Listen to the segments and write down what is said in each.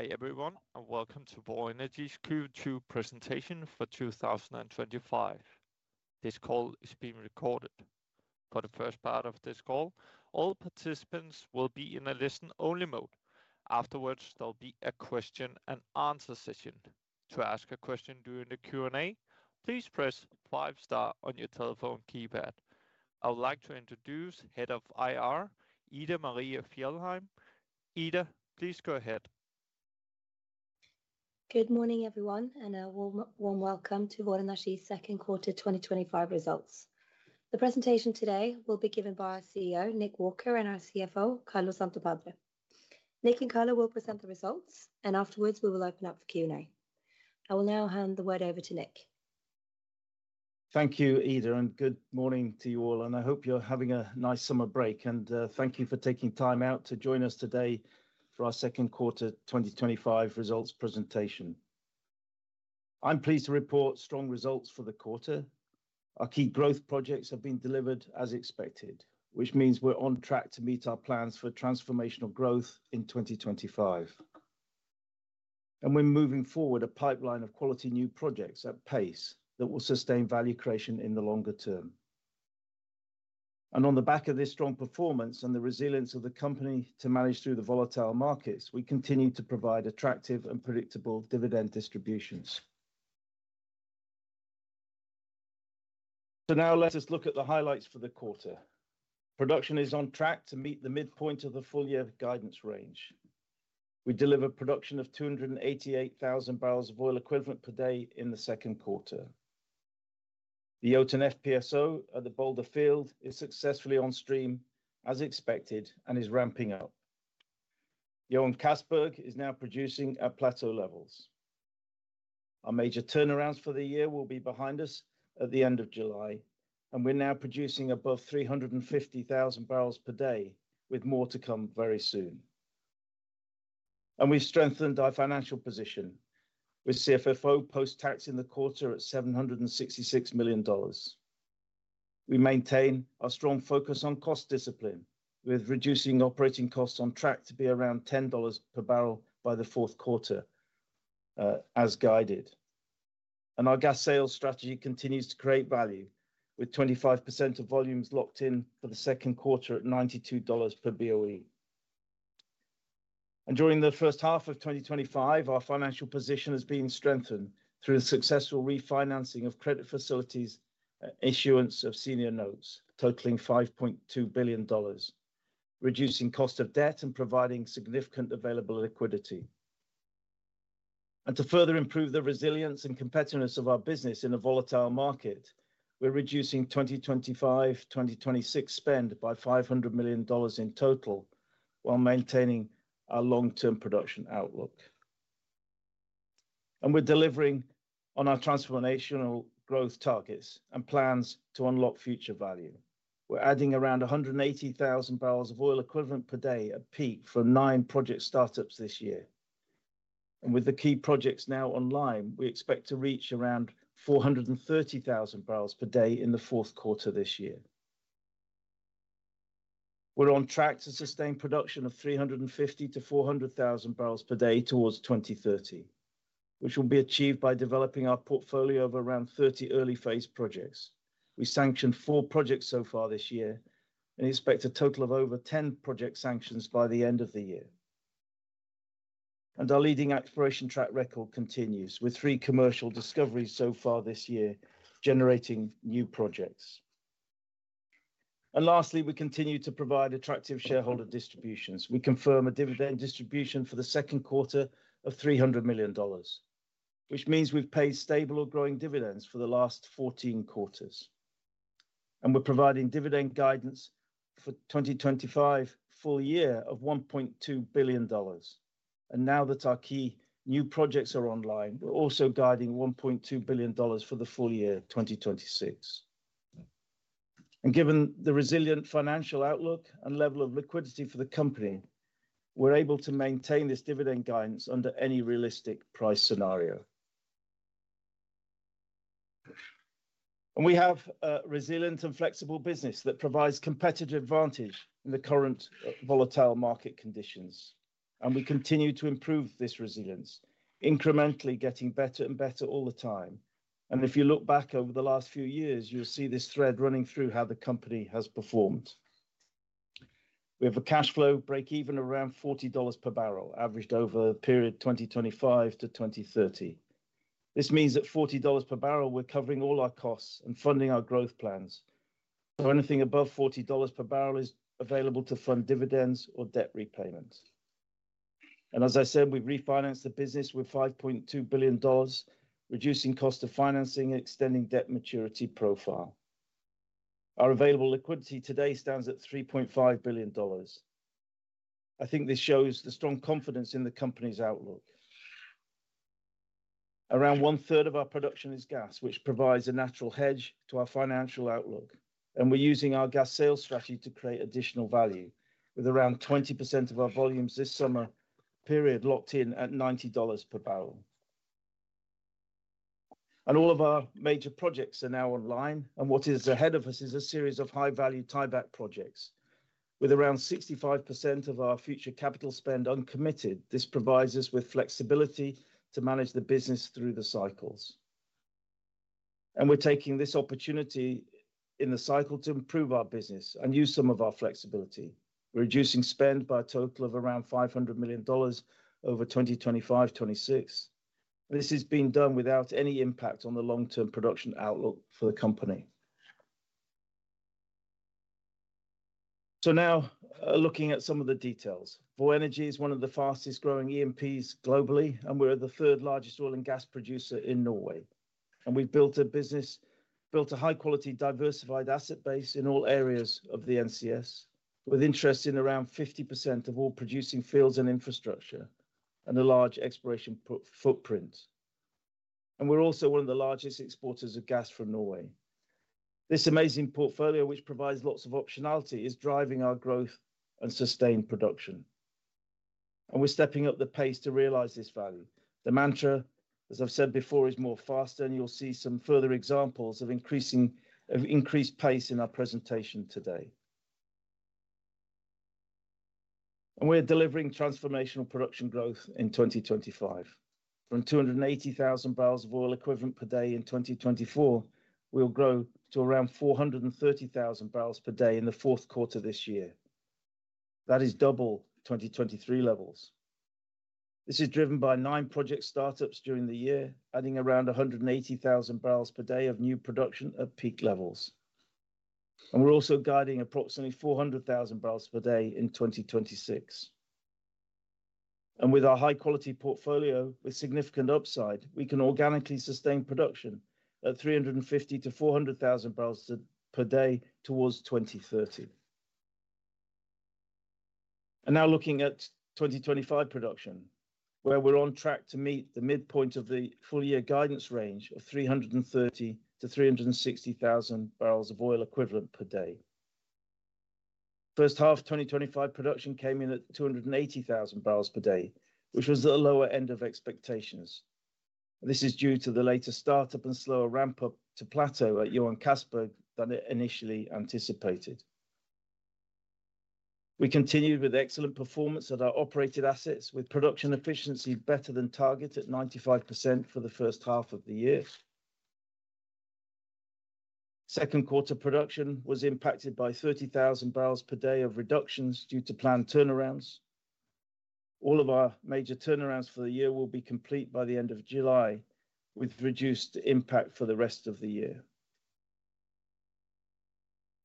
Hi, everyone, and welcome to Vor Energi's Q2 Presentation for 2025. This call is being recorded. For the first part of this call, all participants will be in a listen only mode. Afterwards, there will be a question and answer session. I would like to introduce Head of IR, Ida Maria Fjallheim. Ida, please go ahead. Good morning, everyone, and a warm welcome to Voronashi's second quarter twenty twenty five results. The presentation today will be given by our CEO, Nick Walker and our CFO, Carlo Santopadre. Nick and Carlo will present the results, and afterwards, we will open up for Q and A. I will now hand the word over to Nick. Thank you, Ida, and good morning to you all. And I hope you're having a nice summer break, and, thank you for taking time out to join us today for our second quarter twenty twenty five results presentation. I'm pleased to report strong results for the quarter. Our key growth projects have been delivered as expected, which means we're on track to meet our plans for transformational growth in 2025. And we're moving forward a pipeline of quality new projects at pace that will sustain value creation in the longer term. And on the back of this strong performance and the resilience of the company to manage through the volatile markets, we continue to provide attractive and predictable dividend distributions. So now let us look at the highlights for the quarter. Production is on track to meet the midpoint of the full year guidance range. We delivered production of 288,000 barrels of oil equivalent per day in the second quarter. The Yehlton FPSO at the Boulder field is successfully on stream as expected and is ramping up. Johan Castberg is now producing at plateau levels. Our major turnarounds for the year will be behind us at the July, and we're now producing above 350,000 barrels per day with more to come very soon. And we strengthened our financial position with CFFO post tax in the quarter at $766,000,000. We maintain our strong focus on cost discipline with reducing operating costs on track to be around $10 per barrel by the fourth quarter, as guided. And our gas sales strategy continues to create value with 25% of volumes locked in for the second quarter at $92 per BOE. And during the first half of twenty twenty five, our financial position has been strengthened through the successful refinancing of credit facilities, issuance of senior notes totaling $5,200,000,000, reducing cost of debt and providing significant available liquidity. And to further improve the resilience and competitiveness of our business in a volatile market, we're reducing 2025, 2026 spend by $500,000,000 in total while maintaining our long term production outlook. And we're delivering on our transformational growth targets and plans to unlock future value. We're adding around a 180,000 barrels of oil equivalent per day at peak for nine project startups this year. And with the key projects now online, we expect to reach around 430,000 barrels per day in the fourth quarter this year. We're on track to sustain production of 350 to 400,000 barrels per day towards 2030, which will be achieved by developing our portfolio of around 30 early phase projects. We sanctioned four projects so far this year and expect a total of over 10 project sanctions by the end of the year. And our leading exploration track record continues with three commercial discoveries so far this year generating new projects. And lastly, we continue to provide attractive shareholder distributions. We confirm a dividend distribution for the second quarter of $300,000,000, which means we've paid stable or growing dividends for the last fourteen quarters. And we're providing dividend guidance for 2025 full year of $1,200,000,000. And now that our key new projects are online, we're also guiding $1,200,000,000 for the full year 2026. And given the resilient financial outlook and level of liquidity for the company, we're able to maintain this dividend guidance under any realistic price scenario. And we have a resilient and flexible business that provides competitive advantage in the current volatile market conditions, and we continue to improve this resilience, incrementally getting better and better all the time. And if you look back over the last few years, you'll see this thread running through how the company has performed. We have a cash flow breakeven around $40 per barrel averaged over period 2025 to 2030. This means that $40 per barrel, we're covering all our costs and funding our growth plans. So anything above $40 per barrel is available to fund dividends or debt repayments. And as I said, we've refinanced the business with $5,200,000,000, reducing cost of financing and extending debt maturity profile. Our available liquidity today stands at $3,500,000,000. I think this shows the strong confidence in the company's outlook. Around one third of our production is gas, which provides a natural hedge to our financial outlook, and we're using our gas sales strategy to create additional value with around 20% of our volumes this summer period locked in at $90 per barrel. And all of our major projects are now online, and what is ahead of us is a series of high value tieback projects. With around 65% of our future capital spend uncommitted, this provides us with flexibility to manage the business through the cycles. And we're taking this opportunity in the cycle to improve our business and use some of our flexibility, reducing spend by a total of around $500,000,000 over twenty twenty five, twenty six. This has been done without any impact on the long term production outlook for the company. So now, looking at some of the details. VOE Energy is one of the fastest growing E and Ps globally, and we're the third largest oil and gas producer in Norway. And we've built a business built a high quality diversified asset base in all areas of the NCS with interest in around 50% of all producing fields and infrastructure and a large exploration footprint. And we're also one of the largest exporters of gas from Norway. This amazing portfolio, which provides lots of optionality, is driving our growth and sustained production. And we're stepping up the pace to realize this value. The mantra, as I've said before, is more faster, and you'll see some further examples of increasing of increased pace in our presentation today. And we're delivering transformational production growth in 2025 From 280,000 barrels of oil equivalent per day in 2024, we'll grow to around 430,000 barrels per day in the fourth quarter this year. That is double 2023 levels. This is driven by nine project startups during the year, adding around a 180,000 barrels per day of new production at peak levels. And we're also guiding approximately 400,000 barrels per day in 2026. And with our high quality portfolio with significant upside, we can organically sustain production at 350 to 400,000 barrels per day towards 2030. And now looking at 2025 production, where we're on track to meet the midpoint of the full year guidance range of 330 to 360,000 barrels of oil equivalent per day. First half twenty twenty five production came in at 280,000 barrels per day, which was at the lower end of expectations. This is due to the latest startup and slower ramp up to plateau at Johan Castberg than it initially anticipated. We continued with excellent performance at our operated assets with production efficiency better than target at 95% for the first half of the year. Second quarter production was impacted by 30,000 barrels per day of reductions due to planned turnarounds. All of our major turnarounds for the year will be complete by the July with reduced impact for the rest of the year.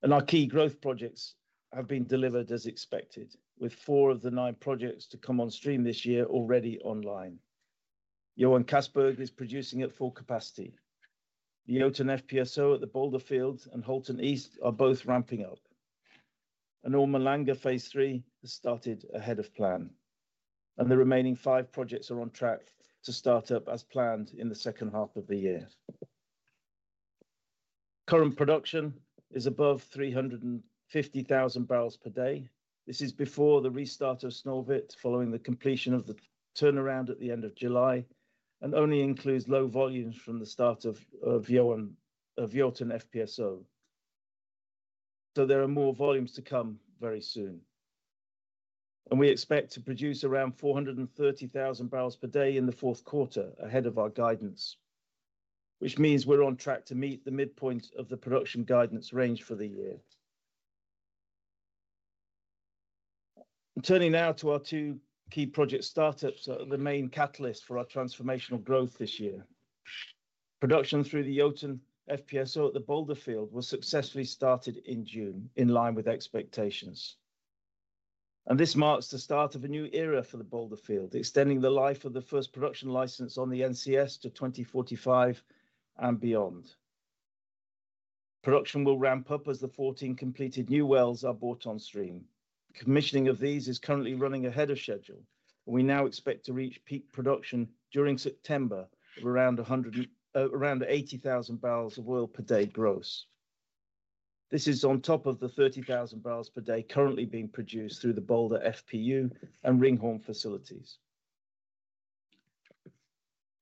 And our key growth projects have been delivered as expected with four of the nine projects to come on stream this year already online. Johan Kasberg is producing at full capacity. Yeoten FPSO at the Boulderfields and Halton East are both ramping up. And Orma Lange phase three has started ahead of plan, and the remaining five projects are on track to start up as planned in the second half of the year. Current production is above 350,000 barrels per day. This is before the restart of Snorbit following the completion of the turnaround at the July and only includes low volumes from the start of of Yeohan of Yeohton FPSO. So there are more volumes to come very soon. And we expect to produce around 430,000 barrels per day in the fourth quarter ahead of our guidance, which means we're on track to meet the midpoint of the production guidance range for the year. Turning now to our two key project start ups, the main catalyst for our transformational growth this year. Production through the Yehlton FPSO at the Boulder Field was successfully started in June, in line with expectations. And this marks the start of a new era for the Boulder Field, extending the life of the first production license on the NCS to 2045 and beyond. Production will ramp up as the 14 completed new wells are bought on stream. Commissioning of these is currently running ahead of schedule, and we now expect to reach peak production during September of around a 100 around 80,000 barrels of oil per day gross. This is on top of the 30,000 barrels per day currently being produced through the Boulder FPU and Ringhorn facilities.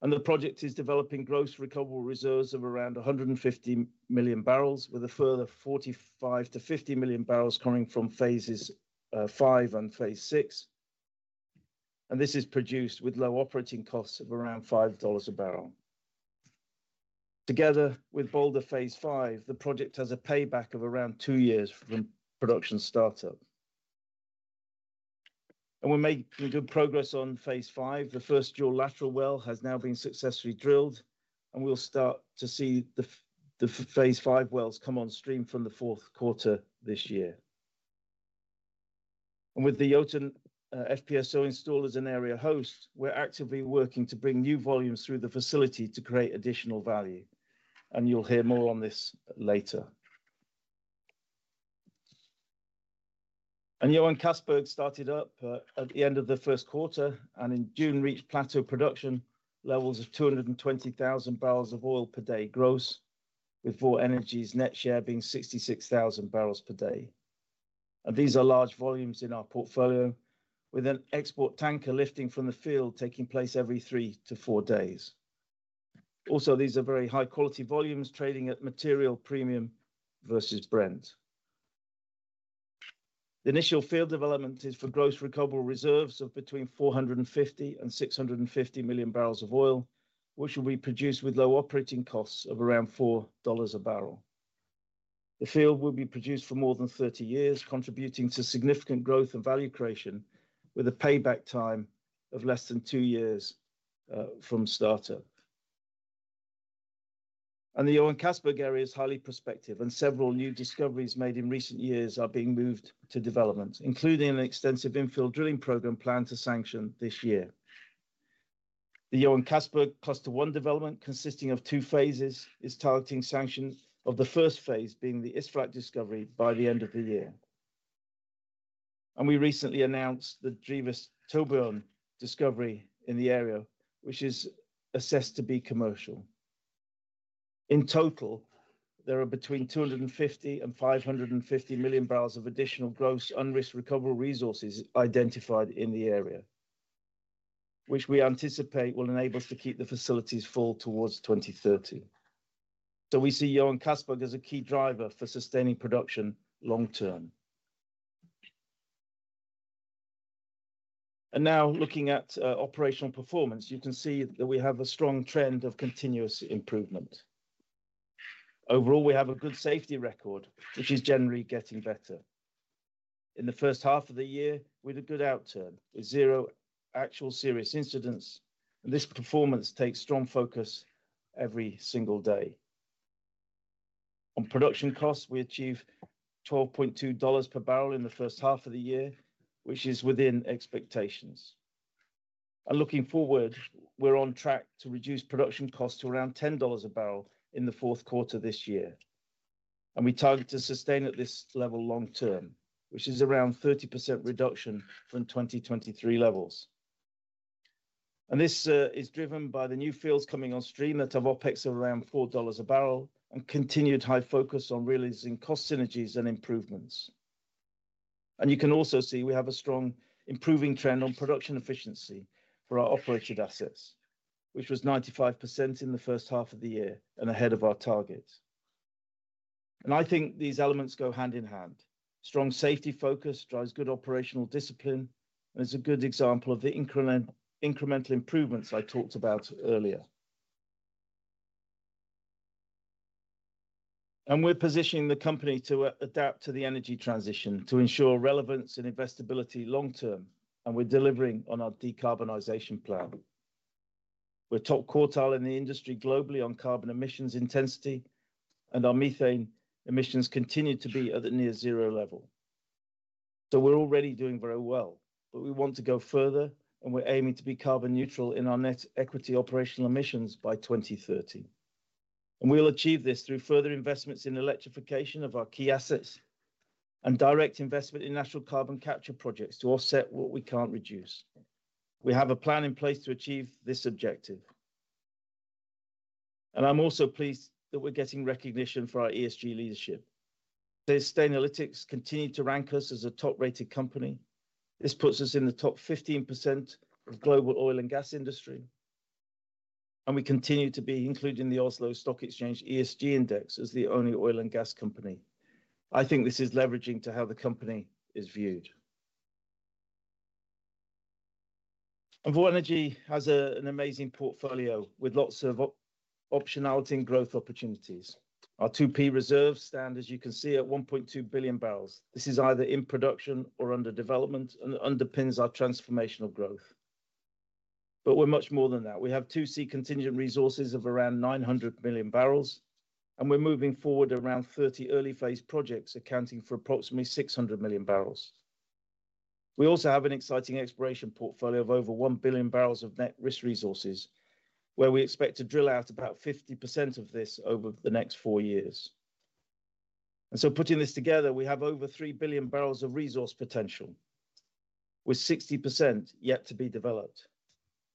And the project is developing gross recoverable reserves of around a 150,000,000 barrels with a further 45 to 50,000,000 barrels coming from phases, five and phase six. And this is produced with low operating costs of around $5 a barrel. Together with Boulder phase five, the project has a payback of around two years from production startup. And we made good progress on phase five. The first dual lateral well has now been successfully drilled, and we'll start to see the the phase five wells come on stream from the fourth quarter this year. And with the Jotun FPSO installers and area hosts, we're actively working to bring new volumes through the facility to create additional value, and you'll hear more on this later. And Johan Castberg started up, at the end of the first quarter and in June reached plateau production levels of 220,000 barrels of oil per day gross with Vore Energy's net share being 66,000 barrels per day. And these are large volumes in our portfolio with an export tanker lifting from the field taking place every three to four days. Also, these are very high quality volumes trading at material premium versus Brent. Initial field development is for gross recoverable reserves of between four hundred and fifty and six hundred and fifty million barrels of oil, which will be produced with low operating costs of around $4 a barrel. The field will be produced for more than thirty years, contributing to significant growth and value creation with a payback time of less than two years, from startup. And the Johan Castberg area is highly prospective, and several new discoveries made in recent years are being moved to development, including an extensive infill drilling program planned to sanction this year. The Johan Kasberg Cluster 1 development consisting of two phases is targeting sanctions of the first phase being the Isfraat discovery by the end of the year. And we recently announced the Djibis Tobion discovery in the area, which is assessed to be commercial. In total, there are between two hundred and fifty and five hundred and fifty million barrels of additional gross unrisked recoverable resources identified in the area, which we anticipate will enable us to keep the facilities full towards 2,030. So we see Johan Kasberg as a key driver for sustaining production long term. And now looking at, operational performance, you can see that we have a strong trend of continuous improvement. Overall, have a good safety record, which is generally getting better. In the first half of the year, we had a good outturn with zero actual serious incidents, and this performance takes strong focus every single day. On production costs, we achieved $12.2 per barrel in the first half of the year, which is within expectations. And looking forward, we're on track to reduce production costs to around $10 a barrel in the fourth quarter this year. And we target to sustain at this level long term, which is around 30% reduction from 2023 levels. And this, is driven by the new fields coming on stream that have OpEx of around $4 a barrel and continued high focus on realizing cost synergies and improvements. And you can also see we have a strong improving trend on production efficiency for our operated assets, which was 95% in the first half of the year and ahead of our targets. And I think these elements go hand in hand. Strong safety focus drives good operational discipline, and it's a good example of the increment incremental improvements I talked about earlier. And we're positioning the company to adapt to the energy transition to ensure relevance and investability long term, and we're delivering on our decarbonization plan. We're top quartile in the industry globally on carbon emissions intensity, and our methane emissions continue to be at the near zero level. So we're already doing very well, but we want to go further. And we're aiming to be carbon neutral in our net equity operational emissions by 2030. And we'll achieve this through further investments in electrification of our key assets and direct investment in national carbon capture projects to offset what we can't reduce. We have a plan in place to achieve this objective. And I'm also pleased that we're getting recognition for our ESG leadership. Sustainalytics continue to rank us as a top rated company. This puts us in the top 15% of global oil and gas industry, and we continue to be included in the Oslo Stock Exchange ESG Index as the only oil and gas company. I think this is leveraging to how the company is viewed. Envoy Energy has an amazing portfolio with lots of optionality and growth opportunities. Our 2p reserves stand, as you can see, at 1,200,000,000 barrels. This is either in production or under development and underpins our transformational growth. But we're much more than that. We have 2c contingent resources of around 900,000,000 barrels, and we're moving forward around 30 early phase projects accounting for approximately 600,000,000 barrels. We also have an exciting exploration portfolio of over 1,000,000,000 barrels of net risk resources, where we expect to drill out about 50% of this over the next four years. And so putting this together, we have over 3,000,000,000 barrels of resource potential with 60% yet to be developed.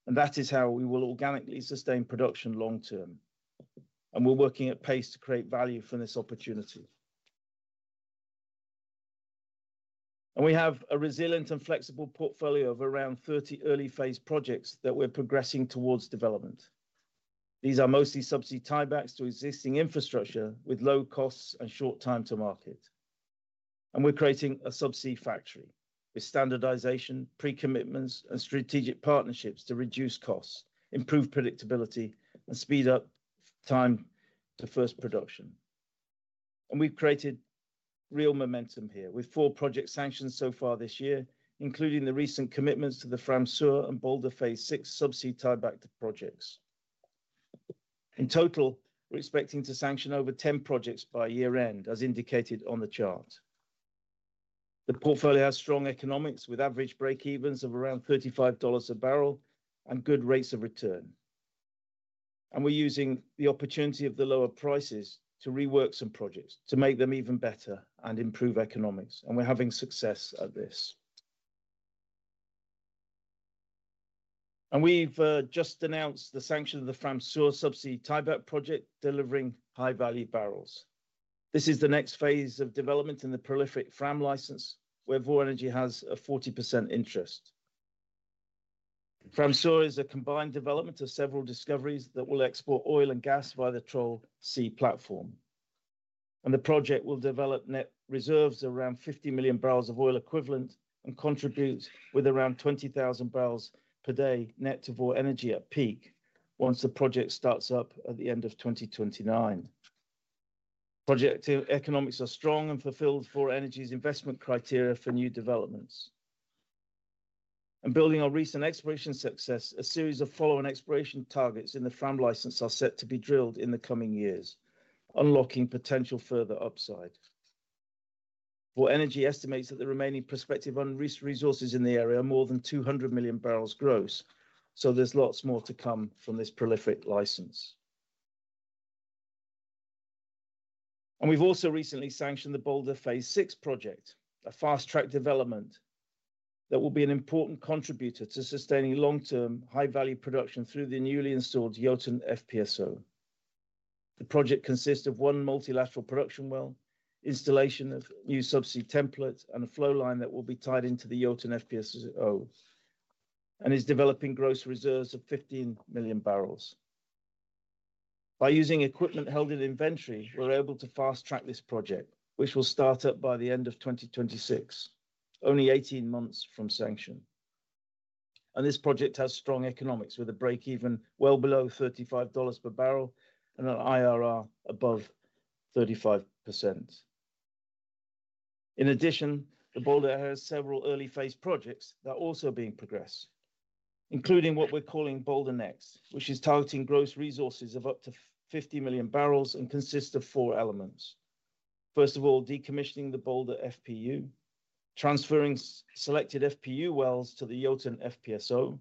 And that is how we will organically sustain production long term, and we're working at pace to create value from this opportunity. And we have a resilient and flexible portfolio of around 30 early phase projects that we're progressing towards development. These are mostly subsea tiebacks to existing infrastructure with low costs and short time to market. And we're creating a subsea factory with standardization, pre commitments, and strategic partnerships to reduce costs, improve predictability, and speed up time to first production. And we've created real momentum here with four project sanctions so far this year, including the recent commitments to the Fram Sur and Boulder phase six subsea tieback projects. In total, we're expecting to sanction over 10 projects by year end as indicated on the chart. The portfolio has strong economics with average breakevens of around $35 a barrel and good rates of return. And we're using the opportunity of the lower prices to rework some projects, to make them even better and improve economics, and we're having success at this. And we've, just announced the sanction of the Fram Sur subsea tieback project delivering high value barrels. This is the next phase of development in the prolific Fram license where Vor Energy has a 40% interest. Fram Sur is a combined development of several discoveries that will export oil and gas via the Trollsea platform, And the project will develop net reserves around 50,000,000 barrels of oil equivalent and contribute with around 20,000 barrels per day net to Vor Energy at peak once the project starts up at the end of twenty twenty nine. Project economics are strong and fulfilled for Energy's investment criteria for new developments. And building our recent exploration success, a series of following exploration targets in the Fram license are set to be drilled in the coming years, unlocking potential further upside. For Energy estimates that the remaining prospective on resources in the area are more than 200,000,000 barrels gross, so there's lots more to come from this prolific license. And we've also recently sanctioned the Boulder phase six project, a fast track development that will be an important contributor to sustaining long term high value production through the newly installed Yoten FPSO. The project consists of one multilateral production well, installation of new subsea templates, and a flow line that will be tied into the Yoten FPSO and is developing gross reserves of 15,000,000 barrels. By using equipment held in inventory, we're able to fast track this project, which will start up by the end of twenty twenty six, only eighteen months from sanction. And this project has strong economics with a breakeven well below $35 per barrel and an IRR above 35%. In addition, the Boulder has several early phase projects that are also being progressed, including what we're calling Boulder Next, which is targeting gross resources of up to 50,000,000 barrels and consists of four elements. First of all, decommissioning the Boulder FPU, transferring selected FPU wells to the Yelton FPSO,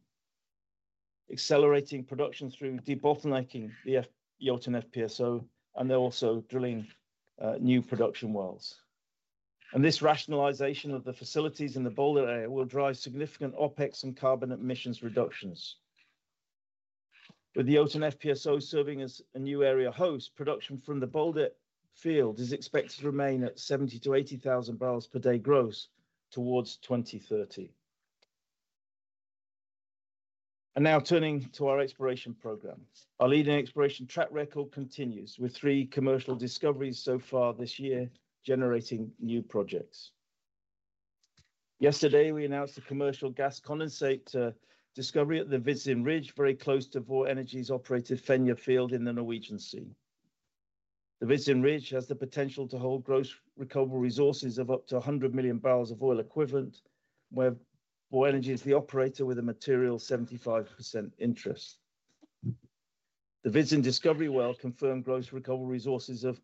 accelerating production through debottlenecking the f Yoten FPSO, and they're also drilling, new production wells. And this rationalization of the facilities in the Boulder area will drive significant OpEx and carbon emissions reductions. With the Oton FPSO serving as a new area host, production from the Boulder field is expected to remain at 70 to 80,000 barrels per day gross towards 2,030. And now turning to our exploration program. Our leading exploration track record continues with three commercial discoveries so far this year generating new projects. Yesterday, we announced a commercial gas condensate discovery at the Visin Ridge, very close to Voor Energy's operated Fenya field in the Norwegian Sea. The Visin Ridge has the potential to hold gross recoverable resources of up to a 100,000,000 barrels of oil equivalent, where Voor Energy is the operator with a material 75% interest. The Vizsan discovery well confirmed gross recovery resources of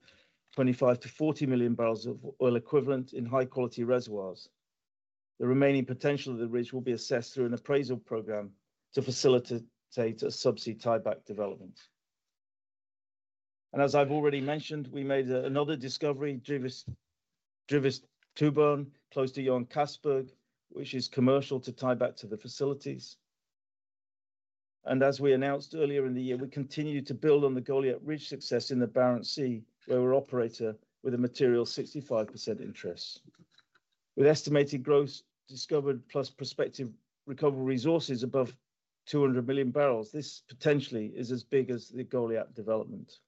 25 to 40,000,000 barrels of oil equivalent in high quality reservoirs. The remaining potential of the bridge will be assessed through an appraisal program to facilitate a subsea tieback development. And as I've already mentioned, we made another discovery, Druvist Turburn close to Johan Castberg, which is commercial to tie back to the facilities. And as we announced earlier in the year, we continue to build on the Goliap Ridge success in the Barents Sea, where we're operator with a material 65% interest. With estimated gross discovered plus prospective recovery resources above 200,000,000 barrels. This potentially is as big as the Goliat development.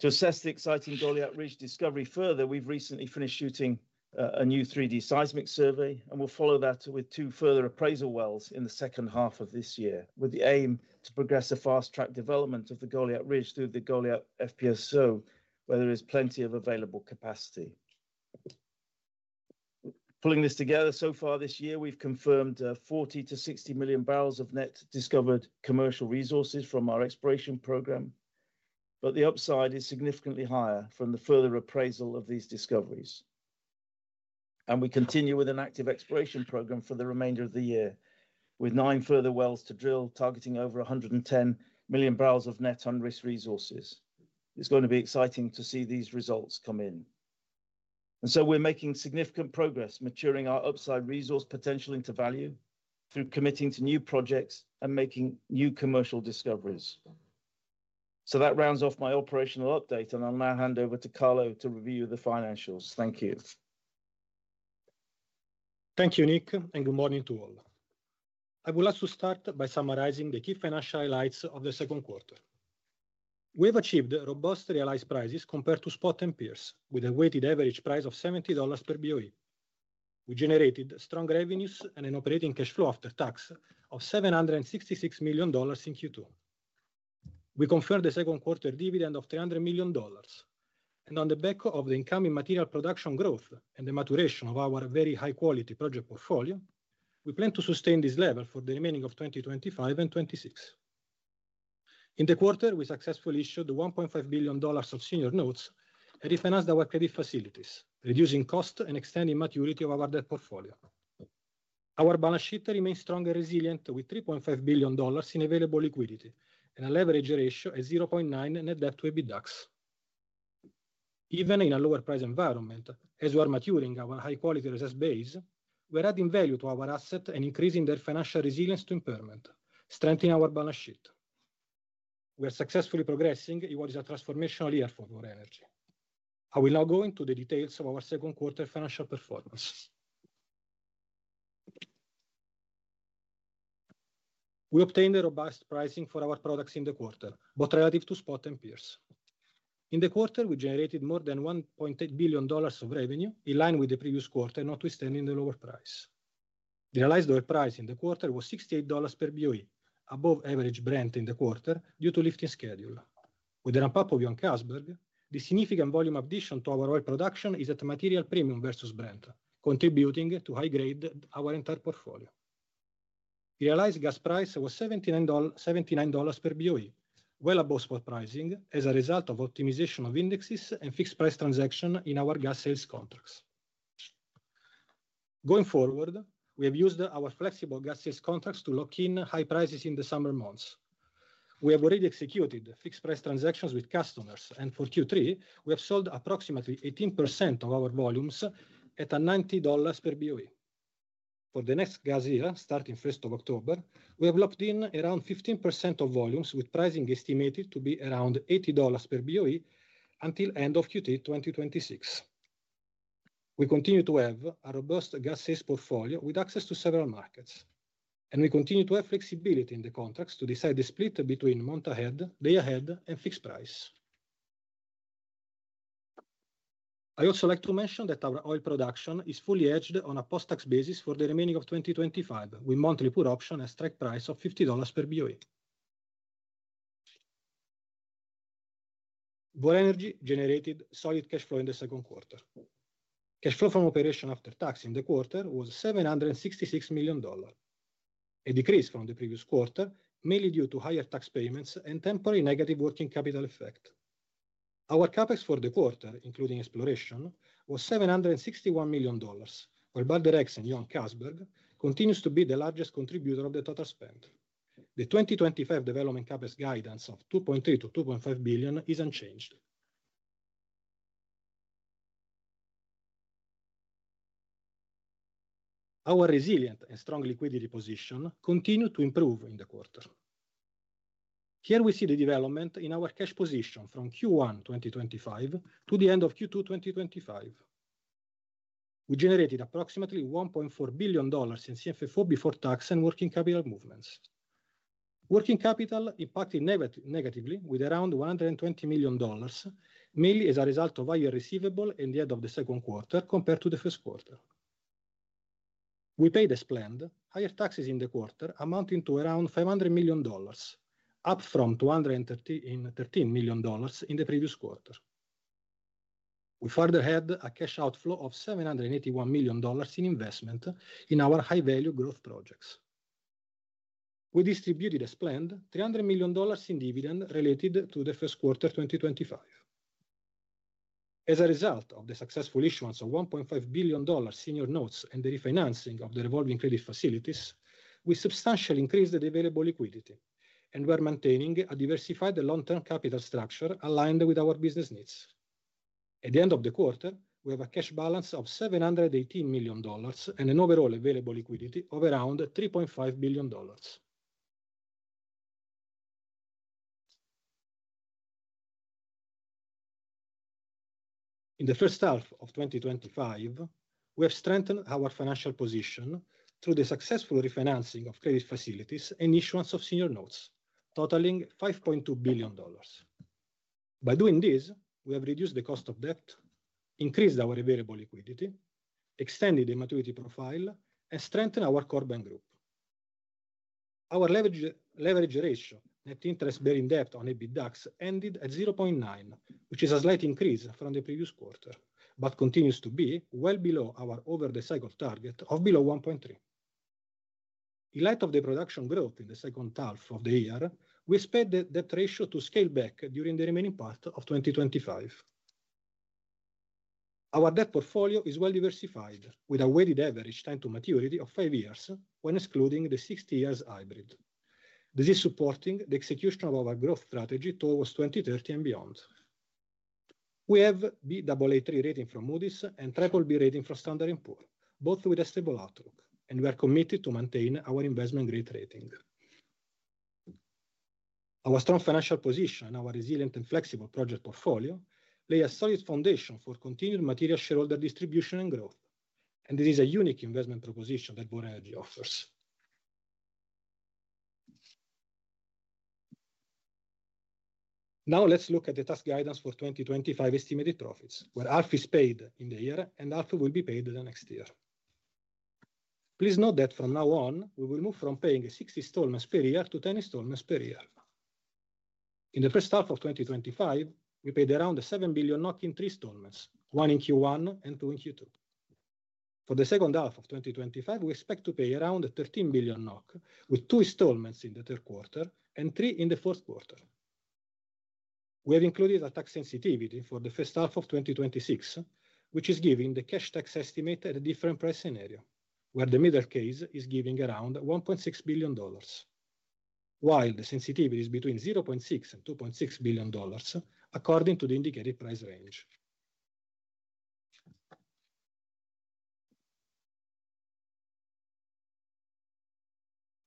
To assess the exciting Goliat Ridge discovery further, we've recently finished shooting a new three d seismic survey, and we'll follow that with two further appraisal wells in the second half of this year with the aim to progress a fast track development of the Goliat Ridge through the Goliat FPSO where there is plenty of available capacity. Pulling this together so far this year, we've confirmed 40 to 60,000,000 barrels of net discovered commercial resources from our exploration program, but the upside is significantly higher from the further appraisal of these discoveries. And we continue with an active exploration program for the remainder of the year with nine further wells to drill targeting over a 110,000,000 barrels of net on risk resources. It's going to be exciting to see these results come in. And so we're making significant progress maturing our upside resource potential into value through committing to new projects and making new commercial discoveries. So that rounds off my operational update, and I'll now hand over to Carlo to review the financials. Thank you. Thank you, Nick, and good morning to all. I would like to start by summarizing the key financial highlights of the second quarter. We have achieved robust realized prices compared to spot end peers with a weighted average price of $70 per BOE. We generated strong revenues and an operating cash flow after tax of $766,000,000 in Q2. We confirmed the second quarter dividend of $300,000,000 And on the back of the incoming material production growth and the maturation of our very high quality project portfolio, we plan to sustain this level for the remaining of 2025 and 2026. In the quarter, we successfully issued 1,500,000,000 of senior notes and refinanced our credit facilities, reducing cost and extending maturity of our debt portfolio. Our balance sheet remains strong and resilient with $3,500,000,000 in available liquidity and a leverage ratio of 0.9% net debt to EBITDAX. Even in a lower price environment, as we are maturing our high quality resource base, we're adding value to our asset and increasing their financial resilience to impairment, strengthening our balance sheet. We are successfully progressing. It was a transformational year for Gore Energy. I will now go into the details of our second quarter financial performance. We obtained a robust pricing for our products in the quarter, both relative to spot and peers. In the quarter, we generated more than $1,800,000,000 of revenue, in line with the previous quarter, notwithstanding the lower price. The realized oil price in the quarter was $68 per BOE, above average Brent in the quarter due to lifting schedule. With the ramp up of Johan Castberg, the significant volume addition to our oil production is at a material premium versus Brent, contributing to high grade our entire portfolio. Realized gas price was $79 per BOE, well above spot pricing as a result of optimization of indexes and fixed price transaction in our gas sales contracts. Going forward, we have used our flexible gas sales contracts to lock in high prices in the summer months. We have already executed fixed price transactions with customers. And for Q3, we have sold approximately 18% of our volumes at $90 per BOE. For the next gas year, starting October 1, we have locked in around 15% of volumes with pricing estimated to be around $80 per BOE until end of Q3 twenty twenty six. We continue to have a robust gas sales portfolio with access to several markets, and we continue to have flexibility in the contracts to decide the split between month ahead, day ahead and fixed price. I also like to mention that our oil production is fully hedged on a post tax basis for the remaining of 2025, with monthly put option option at strike price of $50 per BOE. Voronergy generated solid cash flow in the second quarter. Cash flow from operation after tax in the quarter was $766,000,000 a decrease from the previous quarter, mainly due to higher tax payments and temporary negative working capital effect. Our CapEx for the quarter, including exploration, was $761,000,000 while Bad Directs and Johan Castberg continues to be the largest contributor of the total spend. The 2025 development CapEx guidance of 2,300,000,000.0 to $2,500,000,000 is unchanged. Our resilient and strong liquidity position continued to improve in the quarter. Here we see the development in our cash position from Q1 twenty twenty five to the end of Q2 twenty twenty five. We generated approximately $1,400,000,000 in CFFO before tax and working capital movements. Working capital impacted negatively with around $120,000,000 mainly as a result of higher receivable in the end of the second quarter compared to the first quarter. We paid as planned higher taxes in the quarter amounting to around $500,000,000 up from $213,000,000 in the previous quarter. We further had a cash outflow of $781,000,000 in investment in our high value growth projects. We distributed, as planned, dollars 300,000,000 in dividend related to the first quarter twenty twenty five. As a result of the successful issuance of $1,500,000,000 senior notes and the refinancing of the revolving credit facilities, we substantially increased the available liquidity, and we are maintaining a diversified long term capital structure aligned with our business needs. At the end of the quarter, we have a cash balance of $718,000,000 and an overall available liquidity of around $3,500,000,000 In the first half of twenty twenty five, we have strengthened our financial position through the successful refinancing of credit facilities and issuance of senior notes totaling $5,200,000,000 By doing this, we have reduced the cost of debt, increased our available liquidity, extended the maturity profile, and strengthened our core bank group. Our leverage leverage ratio, net interest bearing debt on EBITDAX ended at 0.9, which is a slight increase from the previous quarter, but continues to be well below our over the cycle target of below 1.3. In light of the production growth in the second half of the year, we expect that ratio to scale back during the remaining part of 2025. Our debt portfolio is well diversified with a weighted average time to maturity of five years when excluding the sixty years hybrid. This is supporting the execution of our growth strategy towards 2030 and beyond. We have Baa3 rating from Moody's and Trekor B rating from Standard and Poor, both with a stable outlook, and we are committed to maintain our investment grade rating. Our strong financial position, our resilient and flexible project portfolio lay a solid foundation for continued material shareholder distribution and growth, and this is a unique investment proposition that Bona Energy offers. Now let's look at the task guidance for 2025 estimated profits, where half is paid in the year and half will be paid in the next year. Please note that from now on, we will move from paying 60 installments per year to 10 installments per year. In the first half of twenty twenty five, we paid around 7,000,000,000 NOK in three installments, one in q one and two in q two. For the second half of twenty twenty five, we expect to pay around 13,000,000,000 NOK, with two installments in the third quarter and three in the fourth quarter. We have included a tax sensitivity for the first half of twenty twenty six, which is giving the cash tax estimate at a different price scenario, where the middle case is giving around $1,600,000,000 while the sensitivity is between 600,000,000.0 and $2,600,000,000 according to the indicated price range.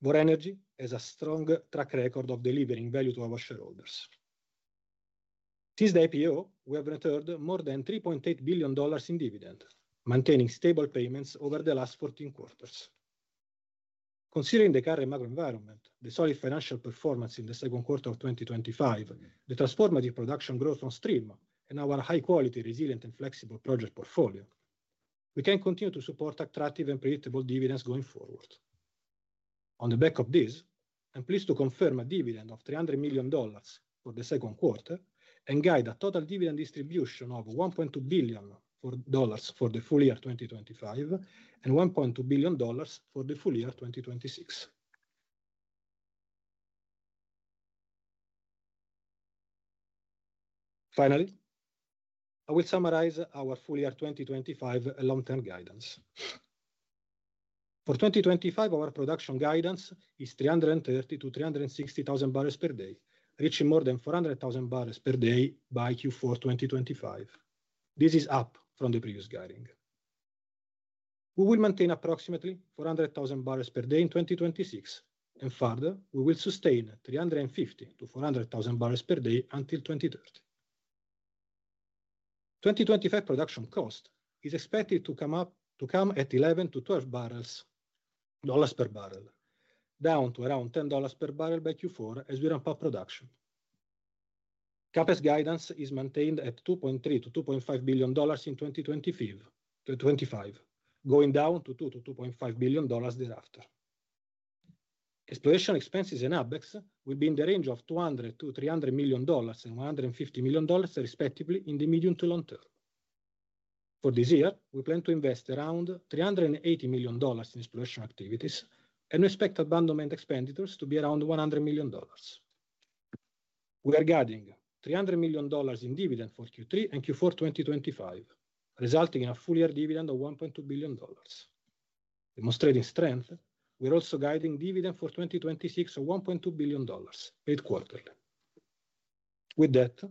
More energy has a stronger track record of delivering value to our shareholders. Since the IPO, we have returned more than $3,800,000,000 in dividend, maintaining stable payments over the last fourteen quarters. Considering the current macro environment, the solid financial performance in the second quarter of twenty twenty five, the transformative production growth onstream and our high quality, resilient and flexible project portfolio, we can continue to support attractive and predictable dividends going forward. On the back of this, I'm pleased to confirm a dividend of $300,000,000 for the second quarter and guide a total dividend distribution of $1,200,000,000 for the full year 2025 and $1,200,000,000 for the full year 2026. Finally, I will summarize our full year 2025 long term guidance. For 2025, our production guidance is three and thirty thousand to 360,000 barrels per day, reaching more than 400,000 barrels per day by Q4 twenty twenty five. This is up from the previous guiding. We will maintain approximately 400,000 barrels per day in 2026. And further, we will sustain 350 to 400,000 barrels per day until 2030. 2025 production cost is expected to come up to come at 11 to 12 barrels dollars per barrel, down to around $10 per barrel by q four as we ramp up production. CapEx guidance is maintained at 2.3 to $2,500,000,000 in twenty twenty twenty five, going down to $2,000,000,000 to $2,500,000,000 thereafter. Exploration expenses and OpEx will be in the range of $200,000,000 to $300,000,000 and $150,000,000 respectively, in the medium to long term. For this year, we plan to invest around $380,000,000 in exploration activities and expect abandonment expenditures to be around $100,000,000 We are guiding $300,000,000 in dividend for Q3 and Q4 twenty twenty five, resulting in a full year dividend of $1,200,000,000 Demonstrating strength, we're also guiding dividend for 2026 of $1,200,000,000 each quarter. With that,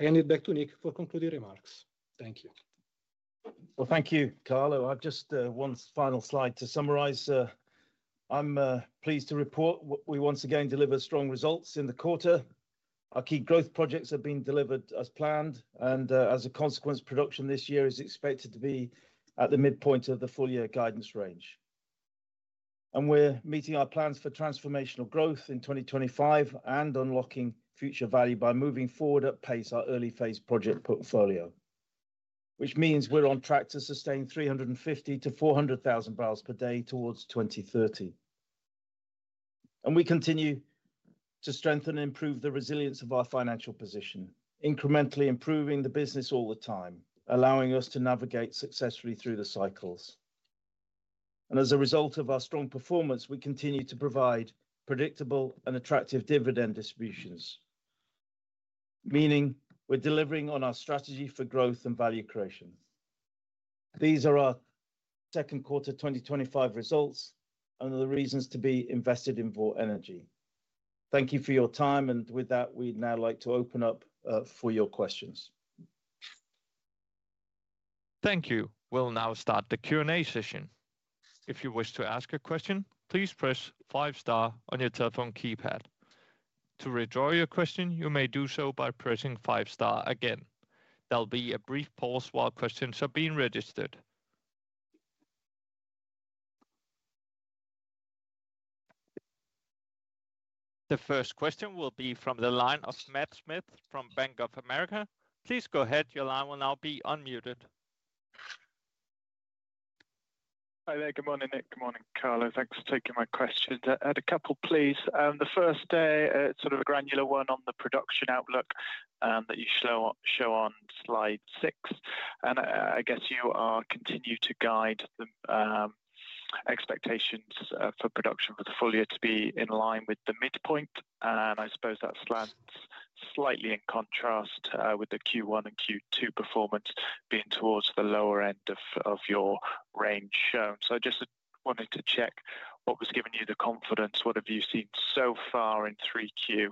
I hand it back to Nick for concluding remarks. Thank you. Well, you, Carlo. I have just one final slide to summarize. I'm pleased to report we once again delivered strong results in the quarter. Our key growth projects have been delivered as planned. And, as a consequence, production this year is expected to be at the midpoint of the full year guidance range. And we're meeting our plans for transformational growth in 2025 and unlocking future value by moving forward at pace our early phase project portfolio, which means we're on track to sustain 350 to 400,000 barrels per day towards 2030. And we continue to strengthen and improve the resilience of our financial position, incrementally improving the business all the time, allowing us to navigate successfully through the cycles. And as a result of our strong performance, we continue to provide predictable and attractive dividend distributions, meaning we're delivering on our strategy for growth and value creation. These are our second quarter twenty twenty five results and the reasons to be invested in Voort Energy. Thank you for your time. And with that, we'd now like to open up, for your questions. Thank you. We'll now start the Q and A session. Start Q session. The first question will be from the line of Matt Smith from Bank of America. Please go ahead. Your line will now be unmuted. Hi there. Good morning, Nick. Good morning, Carlo. Thanks for taking my questions. I had a couple, please. The first, sort of a granular one on the production outlook that you show on Slide six. And I guess you are continuing to guide expectations for production for the full year to be in line with the midpoint. And I suppose that slants slightly in contrast with the Q1 and Q2 performance being towards the lower end of your range. So I just wanted to check what was giving you the confidence, what have you seen so far in 3Q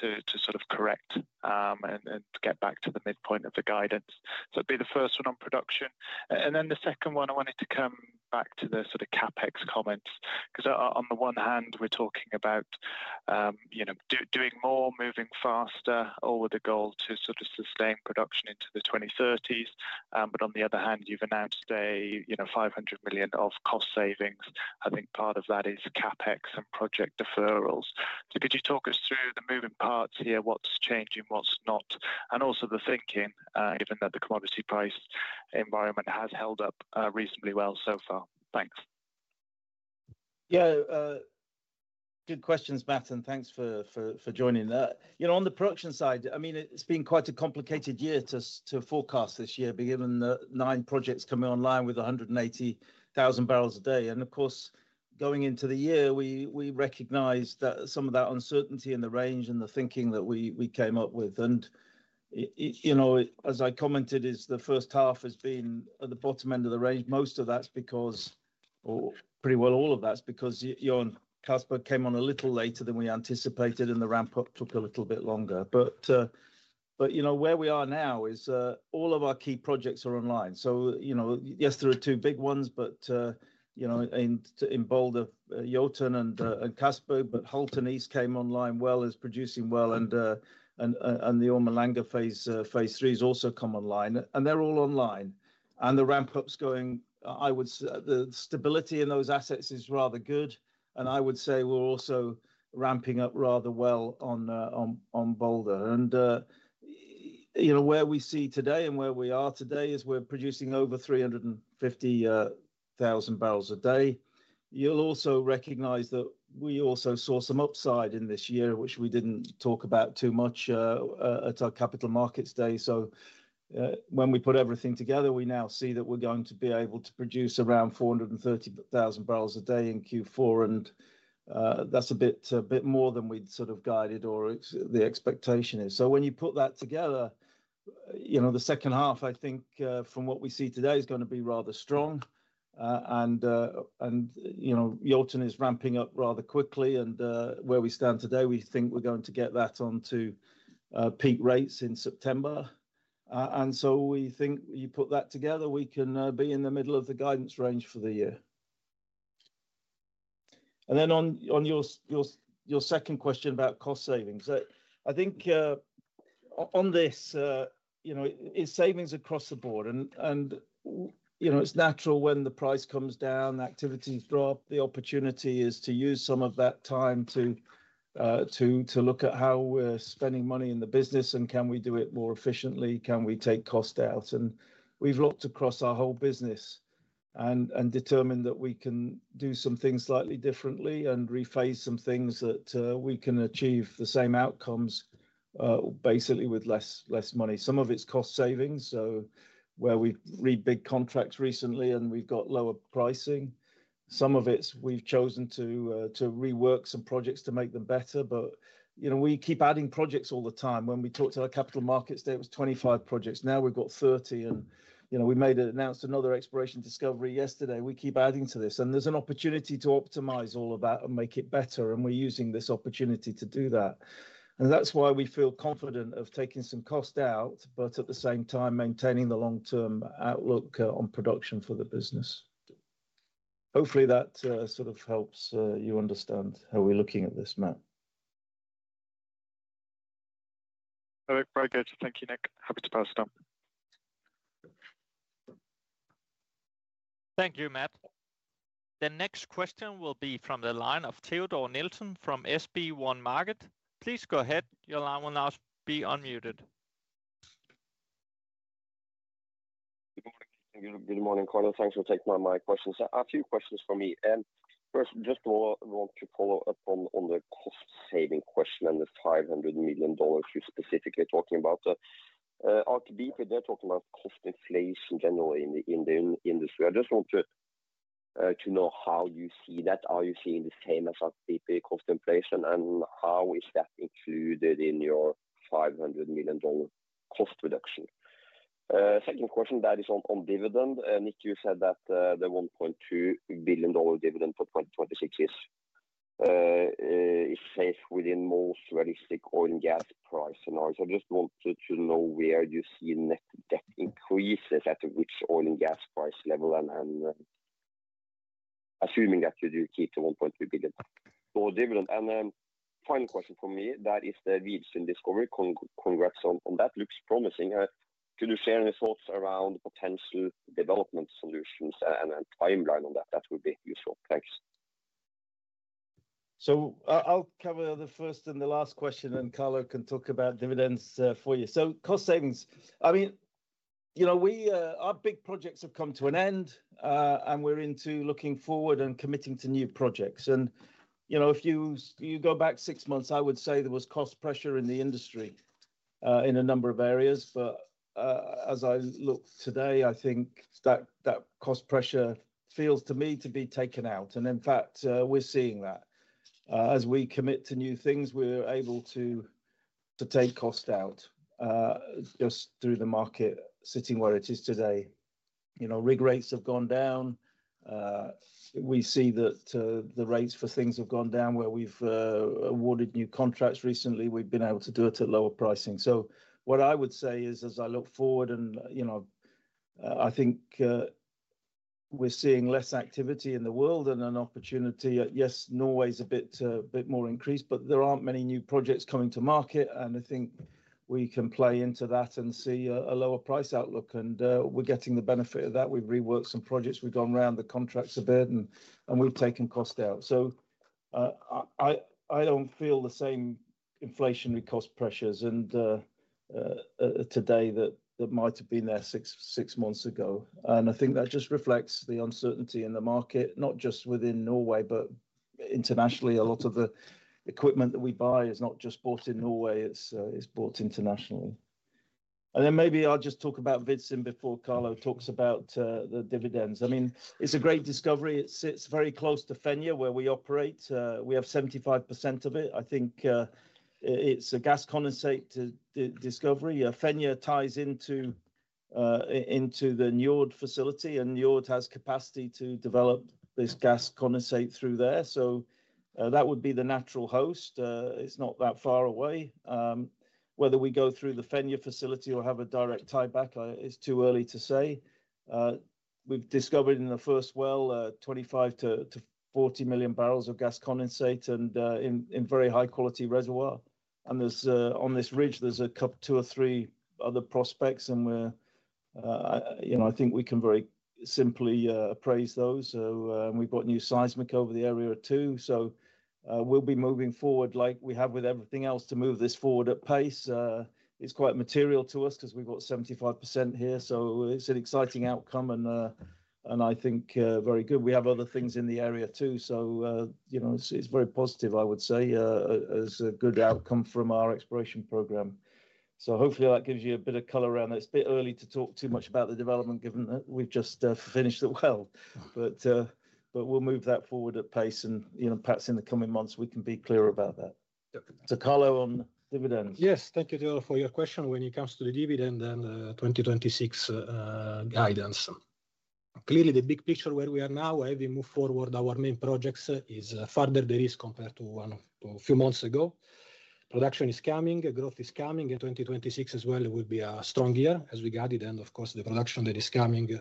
to sort of correct and get back to the midpoint of the guidance. So it'd be the first one on production. And then the second one, I wanted to come back to the sort of CapEx comments. Because on the one hand, we're talking about doing more, moving faster over the goal to sort of sustain production into the 2030s. But on the other hand, you've announced a SEK $500,000,000 of cost savings. I think part of that is CapEx and project deferrals. So could you talk us through the moving parts here, what's changing, what's not? And also the thinking, given that the commodity price environment has held up, reasonably well so far. Thanks. Yeah. Good questions, Matt, and thanks for for for joining. You know, on the production side, I mean, it's been quite a complicated year to forecast this year, given the nine projects coming online with a 180,000 barrels a day. And, of course, going into the year, we we recognize that some of that uncertainty in the range and the thinking that we we came up with. And, you know, as I commented is the first half has been at the bottom end of the range. Most of that's because or pretty well all of that's because Johan Casper came on a little later than we anticipated and the ramp up took a little bit longer. But but, you know, where we are now is, all of our key projects are online. So, you know, yes, there are two big ones, but, you know, in in Boulder, Yoten and and Casper, but Halton East came online well, is producing well, and and and the Orma Langer phase phase three has also come online. And they're all online, and the ramp up's going I would say the stability in those assets is rather good, and I would say we're also ramping up rather well on on on Boulder. And, you know, where we see today and where we are today is we're producing over 350,000 barrels a day. You'll also recognize that we also saw some upside in this year, which we didn't talk about too much, at our Capital Markets Day. So, when we put everything together, we now see that we're going to be able to produce around 430,000 barrels a day in q four, and, that's a bit a bit more than we'd sort of guided or the expectation is. So when you put that together, you know, the second half, I think, from what we see today is gonna be rather strong. And and, you know, Yorkshire is ramping up rather quickly. And, where we stand today, we think we're going to get that onto, peak rates in September. And so we think you put that together, we can, be in the middle of the guidance range for the year. And then on on your your your second question about cost savings, I think, on this, you know, it's savings across the board. And and, you know, it's natural when the price comes down, activities drop, the opportunity is to use some of that time to, to to look at how we're spending spending money money in in the the business and can we do it more efficiently, can we take cost out. And we've looked across our whole business and and determined that we can do some things slightly differently and rephrase some things that we can achieve the same outcomes basically, with less less money. Some of it's cost savings. So where we read big contracts recently and we've got lower pricing, some of it's we've chosen to to rework some projects to make them better. But, we keep adding projects all the time. When we talked to our capital markets, there was 25 projects. Now we've got 30 and, you know, we made it announced another exploration discovery yesterday. We keep adding to this. And there's an opportunity to optimize all of that and make it better, and we're using this opportunity to do that. And that's why we feel confident of taking some cost out, but at the same time maintaining the long term outlook on production for the business. Hopefully, that, sort of helps, you understand how we're looking at this, Matt. All right. Very good. Thank you, Nick. Happy to pass it on. Thank you, Matt. The next question will be from the line of Theodore Nilsen from SB one Market. Please go ahead. Your line will now be unmuted. Good morning, Carlo. Thanks for taking my questions. A few questions for me. First, just want to follow-up on the cost saving question and the $500,000,000 you're specifically talking about. RTP, they're talking about cost inflation generally in industry. I just wanted to know how you see that. Are you seeing the same as RTP cost inflation? And how is that included in your $500,000,000 cost reduction? Second question, that is on dividend. Nick, you said that the $1,200,000,000 dividend for 2026 is safe within most realistic oil and gas price scenarios. I just wanted to know where you see net debt increases at which oil and gas price level and assuming that you do keep to 1,200,000,000.0 for dividend? And then final question for me, that is the Wiedersehen discovery. Congrats on that. Looks promising. Could you share any thoughts around the potential development solutions and a timeline on that? That would be useful. Thanks. So I'll cover the first and the last question, and Carlo can talk about dividends for you. So cost savings, I mean, our big projects have come to an end, and we're into looking forward and committing to new projects. And, you know, if you you go back six months, I would say there was cost pressure in the industry, in a number of areas. But, as I look today, I think that that cost pressure feels to me to be taken out. And in fact, we're seeing that. As we commit to new things, we're able to to take cost out, just through the market sitting where it is today. You know, rig rates have gone down. We see that the rates for things have gone down where we've awarded new contracts recently. We've been able to do it at lower pricing. So what I would say is as I look forward and, you know, I think we're seeing less activity in the world and an opportunity. Yes. Norway's a bit, bit more increased, but there aren't many new projects coming to market, and I think we can play into that and see a lower price outlook. And, we're getting the benefit of that. We've reworked some projects. We've gone around the contracts a bit, and and we've taken cost out. So I I I don't feel the same inflationary cost pressures in today that that might have been there six six months ago. And I think that just reflects the uncertainty in the market, not just within Norway, but internationally. A lot of the equipment that we buy is not just bought in Norway. It's, it's bought internationally. And then maybe I'll just talk about Vidson before Carlo talks about, the dividends. I mean, it's a great discovery. It sits very close to Fenya where we operate. We have 75% of it. I think it's a gas condensate discovery. Fenya ties into, into the Neword facility, and Neword has capacity to develop this gas condensate through there. So that would be the natural host. It's not that far away. Whether we go through the Fenya facility or have a direct tieback, it's too early to say. We've discovered in the first well, 25 to to 40,000,000 barrels of gas condensate and, in in very high quality reservoir. And there's, on this ridge, there's a cup two or three other prospects, and we're, you know, I think we can very simply, appraise those. So, we've got new seismic over the area too. So, we'll be moving forward like we have with everything else to move this forward at pace. It's quite material to us because we've got 75% here. So it's an exciting outcome, and I think, very good. We have other things in the area too. Know, it's it's very positive, I would say, as a good outcome from our exploration program. So hopefully, that gives you a bit of color around this. It's bit early to talk too much about the development given that we've just finished it well, but but we'll move that forward at pace and, you know, perhaps in the coming months, we can be clear about that. So Carlo, on dividends. Yes. Thank you, Joel, for your question when it comes to the dividend and 2026 guidance. Clearly, the big picture where we are now, where we move forward, our main projects is, further there is compared to one to a few months ago. Production is coming. Growth is coming. In 2026 as well, it would be a strong year as we guided. And, of course, the production that is coming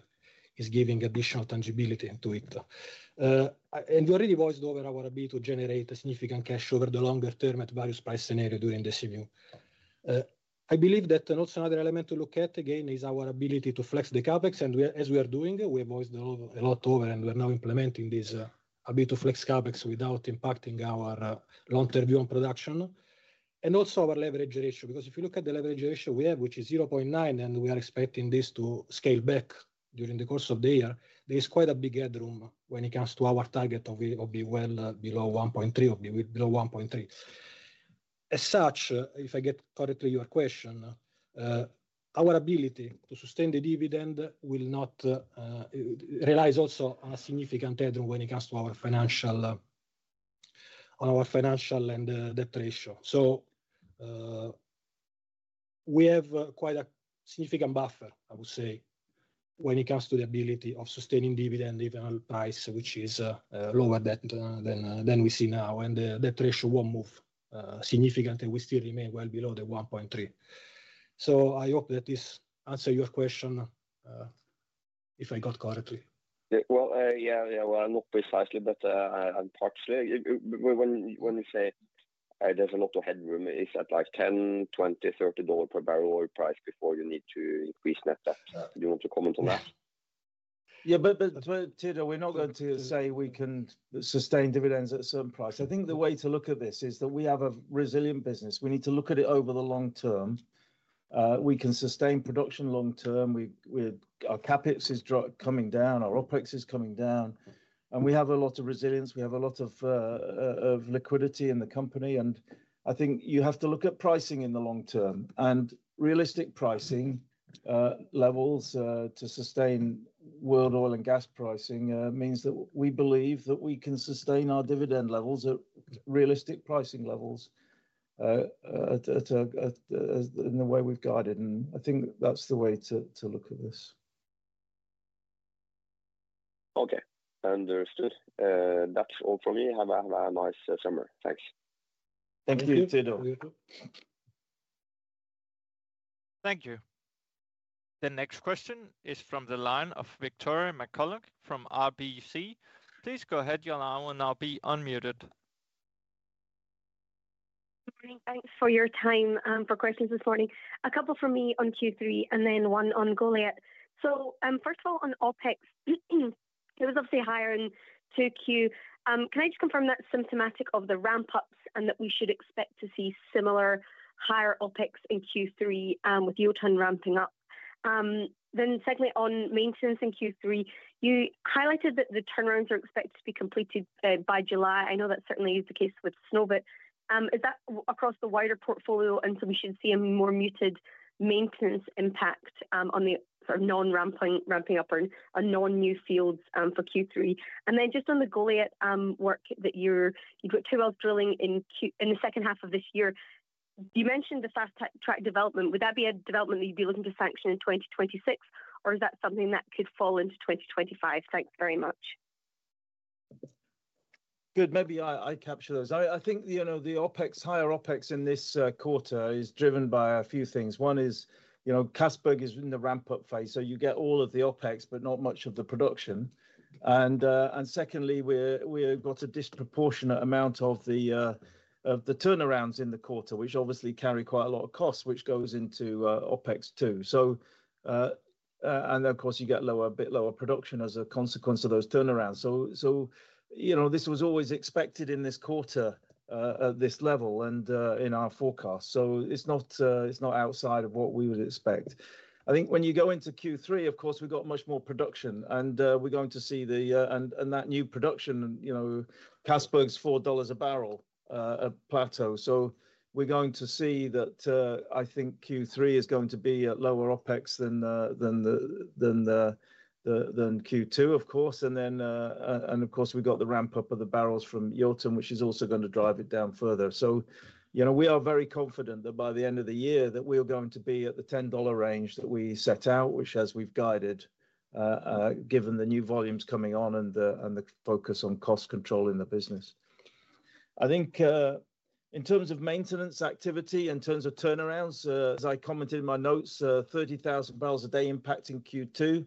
is giving additional tangibility into it. And we already voiced over our ability to generate a significant cash over the longer term at various price scenario during the CMU. I believe that also another element to look at, again, is our ability to flex the CapEx. And we as we are doing it, we have voiced a lot a lot over, and we're now implementing this, a bit of flex CapEx without impacting our, long term view on production. And also our leverage ratio, because if you look at the leverage ratio we have, which is 0.9, and we are expecting this to scale back during the course of the year, there is quite a big headroom when it comes to our target of of be well below 1.3 or be below 1.3. As such, if I get correctly your question, our ability to sustain the dividend will not it relies also on a significant headwind when it comes to our financial our financial and debt ratio. So we have quite a significant buffer, I would say, when it comes to the ability of sustaining dividend, even on price, which is a lower debt than than we see now. And the debt ratio won't move significantly. We still remain well below the 1.3. So I hope that this answer your question, if I got correctly. Well, yes, yes. Well, not precisely, I'm partially when you say there's a lot of headroom, it's at like $10.20 dollars $30 per barrel oil price before you need to increase net debt. Do you want to comment on that? Yeah. But but, Tito, we're not going to say we can sustain dividends at some price. I think the way to look at this is that we have a resilient business. We need to look at it over the long term. We can sustain production long term. We with our CapEx is coming down. Our OpEx is coming down. And we have a lot of resilience. We have a lot of liquidity in the company. And I think you have to look at pricing in the long term. And realistic pricing, levels, to sustain world oil and gas pricing, means that we believe that we can sustain our dividend levels at realistic pricing levels at at at the in the way we've guided. And I think that's the way to to look at this. Okay. Understood. That's all for me. Have a have a nice summer. Thanks. Thank you. Thank you. Next question is from the line of Victoria McCulloch from RBC. Please go ahead. Your line will now be unmuted. Thanks for your time and for questions this morning. A couple for me on Q3 and then one on Goliath. So, first of all, on OpEx, it was obviously higher in 2Q. Can I just confirm that symptomatic of the ramp ups and that we should expect to see similar higher OpEx in q three with your ton ramping up? Then secondly, on maintenance in q three, you highlighted that the turnarounds are expected to be completed by July. I know that certainly is the case with Snowbit. Is that across the wider portfolio and so we should see a more muted maintenance impact on the for non ramping ramping up on on non new fields for q three? And then just on the Goliat work that you're you got two wells drilling in q in the second half of this year. You mentioned the fast track development. Would that be a development that you'd be looking to sanction in 2026, or is that something that could fall into 2025? Thanks very much. Good. Maybe I I capture those. I I think, you know, the OpEx higher OpEx in this quarter is driven by a few things. One is, you know, Casperg is in the ramp up phase, so you get all of the OpEx but not much of the production. And, and secondly, we're we've got a disproportionate amount of the of the turnarounds in the quarter, which obviously carry quite a lot of costs, which goes into, OpEx too. So and, of course, you get lower bit lower production as a consequence of those turnarounds. So so, you know, this was always expected in this quarter, at this level and, in our forecast. So it's not, it's not outside of what we would expect. I think when you go into q three, of course, we've got much more production, and, we're going to see the, and and that new production, you know, Casperg's $4 a barrel, plateau. So we're going to see that, I think q three is going to be at lower OpEx than the than the than the the than q two, of course. And then, and, of course, we've got the ramp up of the barrels from Yorkshire, which is also going to drive it down further. So, you know, we are very confident that by the end of the year that we're going to be at the 10 range that we set out, which as we've guided, given the new volumes coming on and the and the focus on cost control in the business. I think in terms of maintenance activity, in terms of turnarounds, as I commented in my notes, 30,000 barrels a day impacting q two,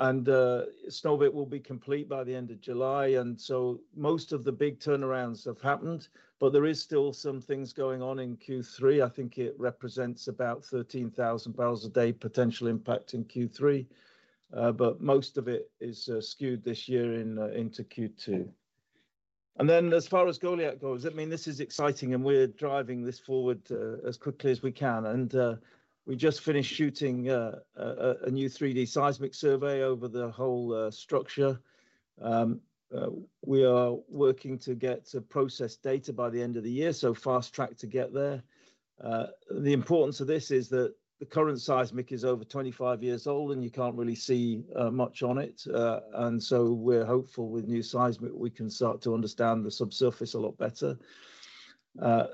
and Snowbit will be complete by the July. And so most of the big turnarounds have happened, but there is still some things going on in q three. I think it represents about 13,000 barrels a day potential impact in q three, but most of it is skewed this year in, into q two. And then as far as Goliath goes, I mean, this is exciting, and we're driving this forward as quickly as we can. And we just finished shooting a new three d seismic survey over the whole structure. We are working to get to process data by the end of the year, so fast track to get there. The importance of this is that the current seismic is over 25 years old, and you can't really see much on it. And so we're hopeful with new seismic, we can start to understand the subsurface a lot better.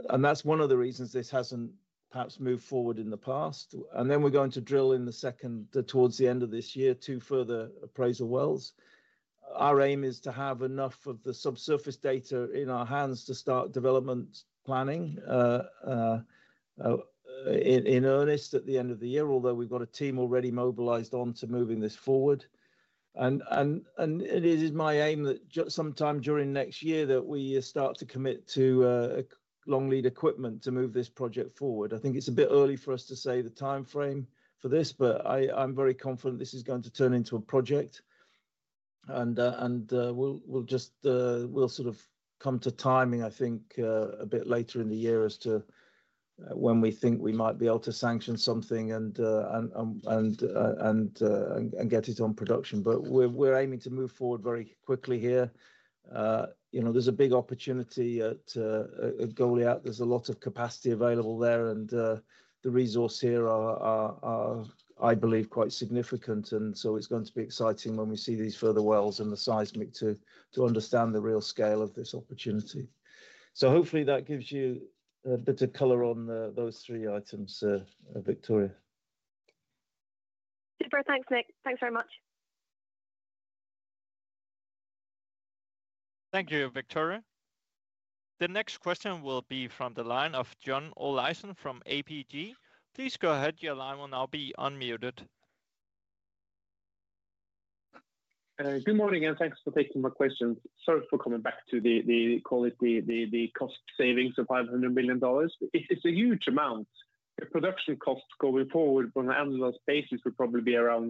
And that's one of the reasons this hasn't perhaps moved forward in the past. And then we're going to drill in the second towards the end of this year to further appraisal wells. Our aim is to have enough of the subsurface data in our hands to start development planning in in earnest at the end of the year, although we've got a team already mobilized on to moving this forward. And and and it is my aim that sometime during next year that we start to commit to a long lead equipment to move this project forward. I think it's a bit early for us to say the time frame for this, but I I'm very confident this is going to turn into a project. And and we'll we'll just we'll sort of come to timing, I think, a bit later in the year as to when we think we might be able to sanction something and and and get it on production. But we're we're aiming to move forward very quickly here. You know, there's a big opportunity at Goliath. There's a lot of capacity available there and the resource here are are are, I believe, quite significant. And so it's going to be exciting when we see these further wells and the seismic to to understand the real scale of this opportunity. So hopefully, that gives you bit of color on those three items, Victoria. Super. Thanks, Nick. Thanks very much. Thank you, Victoria. The next question will be from the line of John Olaisen from APG. Please go ahead. Your line will now be unmuted. Good morning and thanks for taking my questions. Sorry for coming back to the, call it, the cost savings of $500,000,000 It's a huge amount. Production costs going forward from an annualized basis would probably be around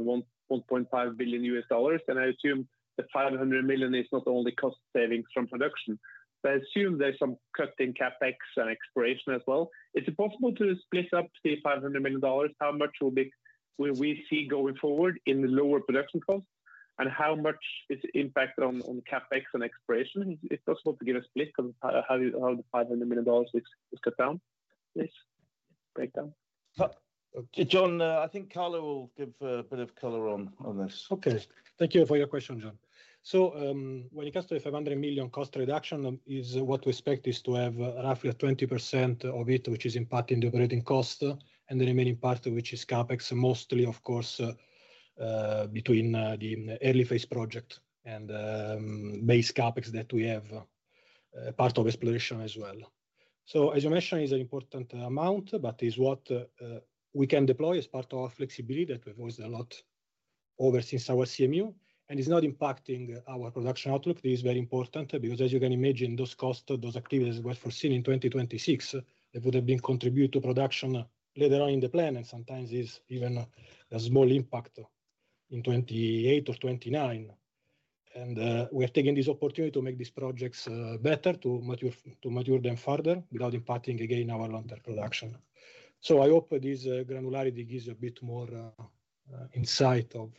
$1,500,000,000 and I assume the $500,000,000 is not only cost savings from production, but I assume there's some cut in CapEx and exploration as well. Is it possible to split up, say, $500,000,000 How much will be will we see going forward in the lower production costs? And how much is the impact on on CapEx and exploration? If I suppose to give a split on how how the $500,000,000 is is cut down, please, breakdown? John, I think Carlo will give a bit of color on on this. Okay. Thank you for your question, John. So, when it comes to 500,000,000 cost reduction is what we expect is to have roughly 20% of it, which is impacting the operating cost and the remaining part of which is CapEx mostly, of course, between, the early phase project and, base CapEx that we have part of exploration as well. So as you mentioned, it's an important amount, but it's what, we can deploy as part of our flexibility that we've always done a lot over since our CMU. And it's not impacting our production outlook. This is very important because as you can imagine, those cost those activities were foreseen in 2026. It would have been contribute to production later on in the plan, and sometimes it's even a small impact in '28 or '29. And, we are taking this opportunity to make these projects, better to mature to mature them further without impacting again our longer production. So I hope this, granularity gives a bit more insight of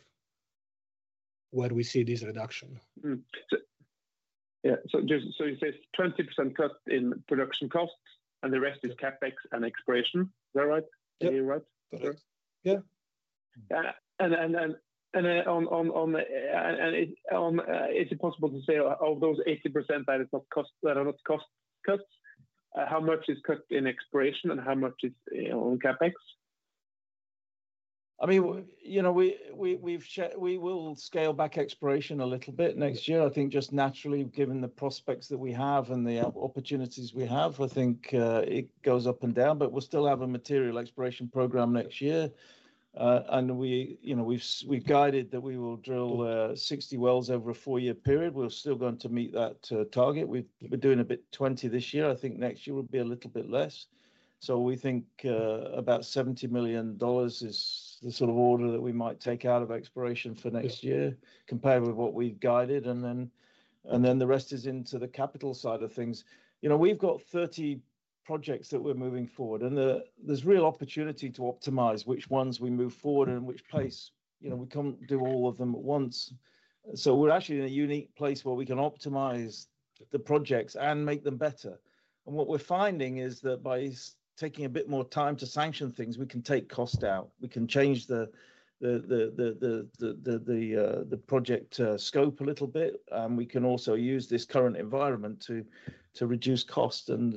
where we see this reduction. Yeah. So just so you said 20% cut in production costs and the rest is CapEx and exploration. Is that right? Did hear right? Correct. Yeah. And and then and then on on on the and it on is it possible to say, of those 80% that is not cost that are not cost cuts, how much is cut in exploration and how much is on CapEx? I mean, you know, we we we've we will scale back exploration a little bit next year. I think just naturally given the prospects that we have and the opportunities we have, I think it goes up and down, but we'll still have a material exploration program next year. And we, you know, we've we've guided that we will drill 60 wells over a four year period. We're still going to meet that target. We've we've been doing a bit 20 this year. I think next year would be a little bit less. So we think about $70,000,000 is the sort of order that we might take out of exploration for next year compared with what we've guided. And then and then the rest is into the capital side of things. You know, we've got 30 projects that we're moving forward, and there's real opportunity to optimize which ones we move forward and which place, you know, we can't do all of them at once. So we're actually in a unique place where we can optimize the projects and make them better. And what we're finding is that by taking a bit more time to sanction things, we can take cost out. We can change the the the the the the the project scope a little bit. We can also use this current environment to to reduce cost, and,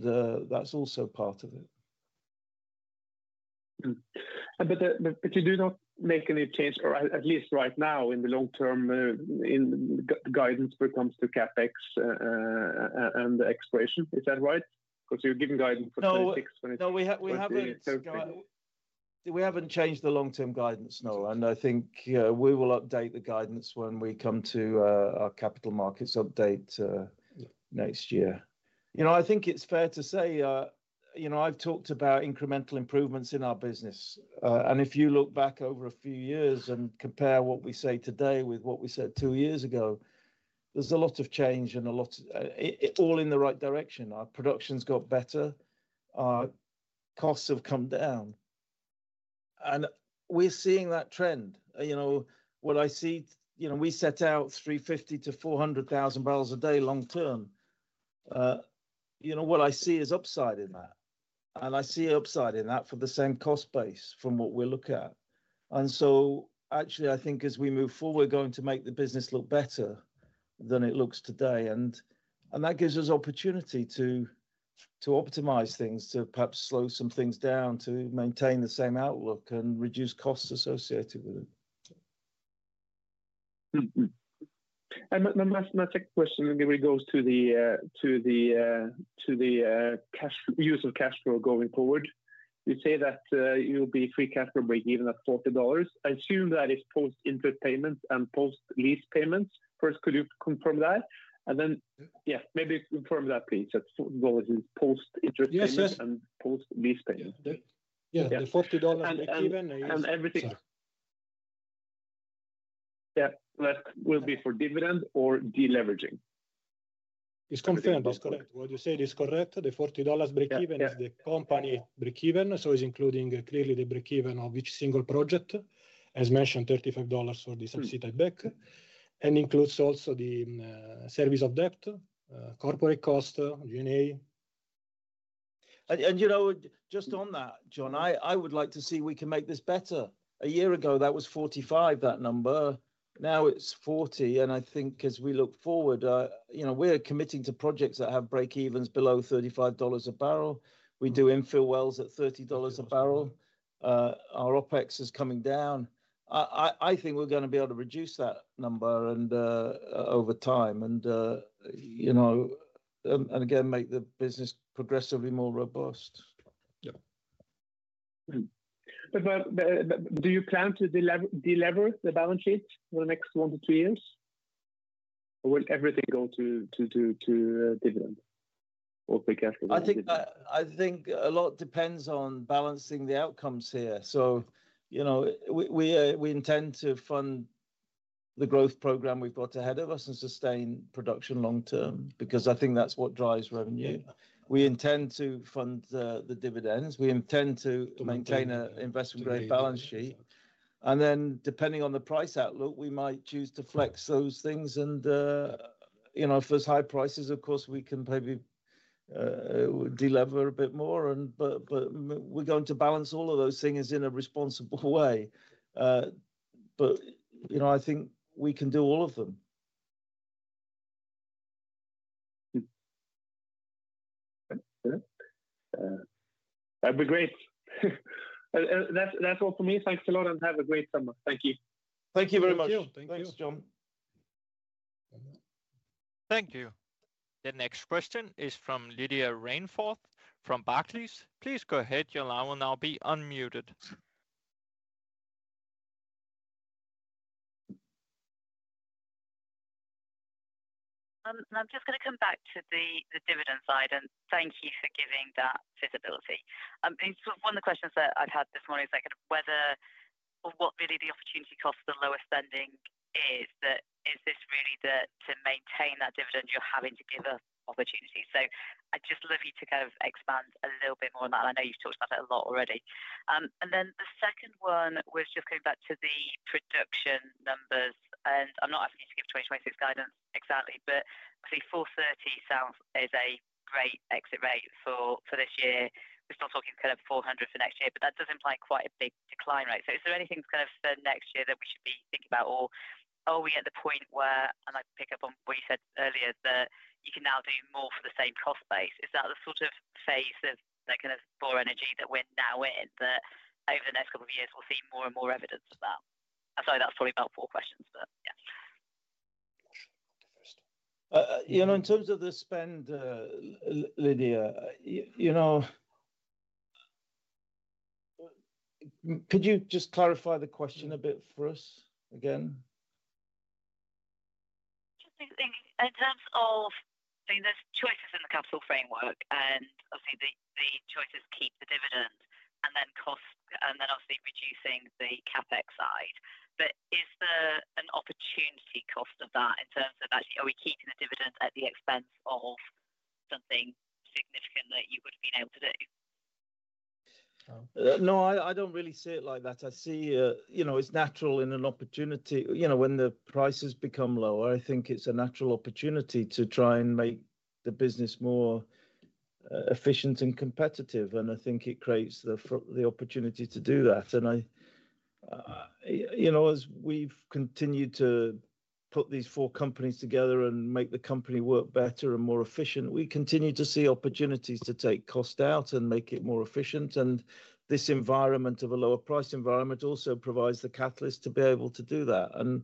that's also part of it. But the but but you do not make any change or at least right now in the long term, in guidance when it comes to CapEx, and the expiration. Is that right? Because you're giving guidance for '26 when it No. We haven't we haven't we haven't changed the long term guidance, Noah. And I think, yeah, we will update the guidance when we come to capital markets update next year. You know, I think it's fair to say, you know, I've talked about incremental improvements in our business. And if you look back over a few years and compare what we say today with what we said two years ago, there's a lot of change and a lot it all in the right direction. Our production's got better. Our costs have come down. And we're seeing that trend. You know, what I see you know, we set out three fifty to 400,000 barrels a day long term. You know, what I see is upside in that, and I see upside in that for the same cost base from what we look at. And so, actually, I think as we move forward, going to make the business look better than it looks today, and and that gives us opportunity to to optimize things, to perhaps slow some things down, to maintain the same outlook, and reduce costs associated with it. And my my my second question, maybe it goes to the, to the the use of cash flow going forward. You say that you'll be free cash flow breakeven at $40 I assume that is post input payments and post lease payments. First, could you confirm that? And then Yeah. Maybe confirm that, please. That's what was in post interest payments and post lease payments. Yeah. The $40 breakeven And everything yep. That will be for dividend or deleveraging? Confirmed. It's correct. What you said is correct. The $40 breakeven is the company breakeven, so it's including clearly the breakeven of each single project. As mentioned, 35 for the subsidiary back and includes also the service of debt, corporate cost, G and A. And and, you know, just on that, John, I I would like to see we can make this better. A year ago, that was 45, that number. Now it's 40. And I think as we look forward, you know, we're committing to projects that have breakevens below $35 a barrel. We do infill wells at $30 a barrel. Our OpEx is coming down. I I I think we're gonna be able to reduce that number and, over time and, you know, and and again, make the business progressively more robust. Yep. But but but do you plan to delever the balance sheet for the next one to two years, Or will everything go to to to to dividend or pay cash for dividend? Think a lot depends on balancing the outcomes here. So, you know, we we intend to fund the growth program we've got ahead of us and sustain production long term because I think that's what drives revenue. We intend to fund the the dividends. We intend to maintain a investment grade balance sheet. And then depending on the price outlook, we might choose to flex those things and, you know, if there's high prices, of course, we can maybe, delever a bit more and but but we're going to balance all of those things in a responsible way. But, you know, I think we can do all of them. That'd be great. That's that's all for me. Thanks a lot, and have a great summer. Thank you. Thank you very much. Thank The next question is from Lydia Rainforth from Barclays. Please go ahead. Your line will now be unmuted. I'm just going to come back to the dividend side, and thank you for giving that visibility. So one of the questions that I've had this morning is like whether what really the opportunity cost for the lower spending is that is this really to maintain that dividend you're having to give us opportunity. So I'd just love you to kind of expand a little bit more on that. I know you've talked about that a lot already. And then the second one was just going back to the production numbers. And I'm not asking you to give 2026 guidance exactly, but I think $430,000,000 sounds as a great exit rate for this year. We're still talking kind of 400,000,000 for next year, but that does imply quite a big decline, right? So is there anything kind of for next year that we should be thinking about? Or are we at the point where and I'd pick up on what you said earlier that you can now do more for the same cost base? Is that the sort of phase of like kind of for energy that we're now in that over the next couple of years, we'll see more and more evidence of that? I'm sorry. That's probably about four questions, but yeah. You know, in terms of the spend, Lydia, know, could you just clarify the question a bit for us again? Just thinking in terms of I mean, there's choices in the capital framework, and obviously, the the choice is keep the dividend and then cost and then obviously reducing the CapEx side. But is there an opportunity cost of that in terms of actually are we keeping the dividend at the expense of something significant that you would have been able to do? No. I I don't really see it like that. I see, you know, it's natural in an opportunity you know, when the prices become lower, I think it's a natural opportunity to try and make the business more efficient and competitive, and I think it creates the the opportunity to do that. And I you know, as we've continued to put these four companies together and make the company work better and more efficient, we continue to see opportunities to take cost out and make it more efficient. And this environment of a lower price environment also provides the catalyst to be able to do that. And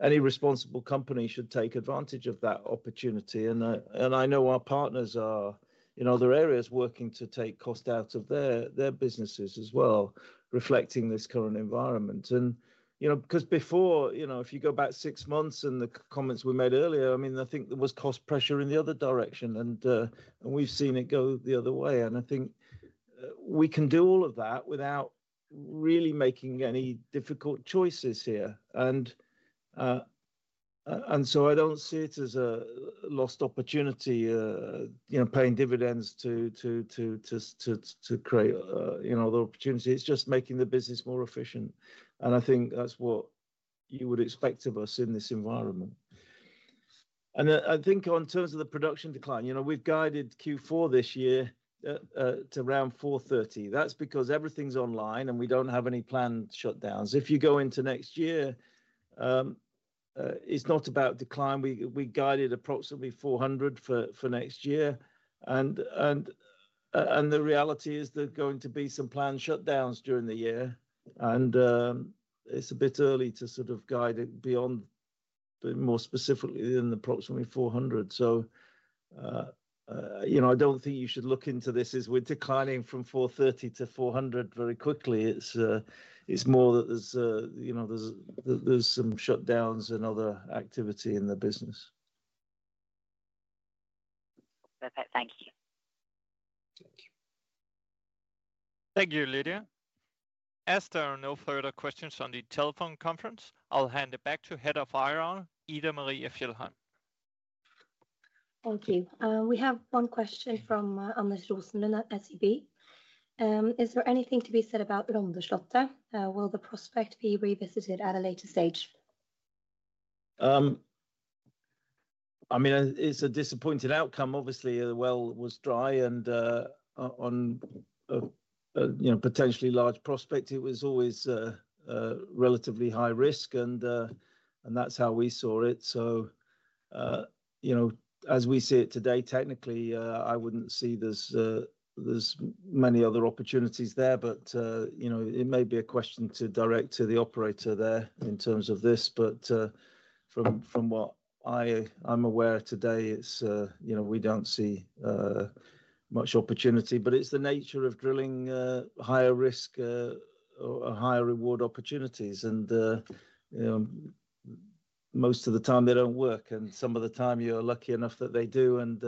any responsible company should take advantage of that opportunity, and I and I know our partners are in other areas working to take cost out of their their businesses as well, reflecting this current environment. And, you know, because before, you know, if you go back six months and the comments we made earlier, I mean, I think there was cost pressure in the other direction, and and we've seen it go the other way. And I think we can do all of that without really making any difficult choices here. And and so I don't see it as a lost opportunity, you know, paying dividends to to to to to to create, you know, the opportunity. It's just making the business more efficient, and I think that's what you would expect of us in this environment. And I think on terms of the production decline, you know, we've guided q four this year to around four thirty. That's because everything's online, and we don't have any planned shutdowns. If you go into next year, it's not about decline. We we guided approximately 400 for for next year, and and and the reality is there's going to be some planned shutdowns during the year, and, it's a bit early to sort of guide it beyond more specifically than approximately 400. So, you know, I don't think you should look into this as we're declining from four thirty to 400 very quickly. It's it's more that there's, you know, there's there's some shutdowns and other activity in the business. Perfect. Thank you. Thank you, Lydia. As there are no further questions on the telephone conference, I'll hand it back to Head of IRON, Edamari Efjellheim. Thank you. We have one question from, Amnes Rosman at SEB. Is there anything to be said about Rondershotter? Will the prospect be revisited at a later stage? I mean, it's a disappointing outcome. Obviously, the well was dry and, on, you know, potentially large prospect, it was always relatively high risk, and and that's how we saw it. So, you know, as we see it today, technically, I wouldn't see there's there's many other opportunities there. But, you know, it may be a question to direct to the operator there in terms of this. But from from what I I'm aware today, it's, you know, we don't see much opportunity, but it's the nature of drilling, higher risk, or higher reward opportunities. And, most of the time, they don't work. And some of the time, you're lucky enough that they do, and,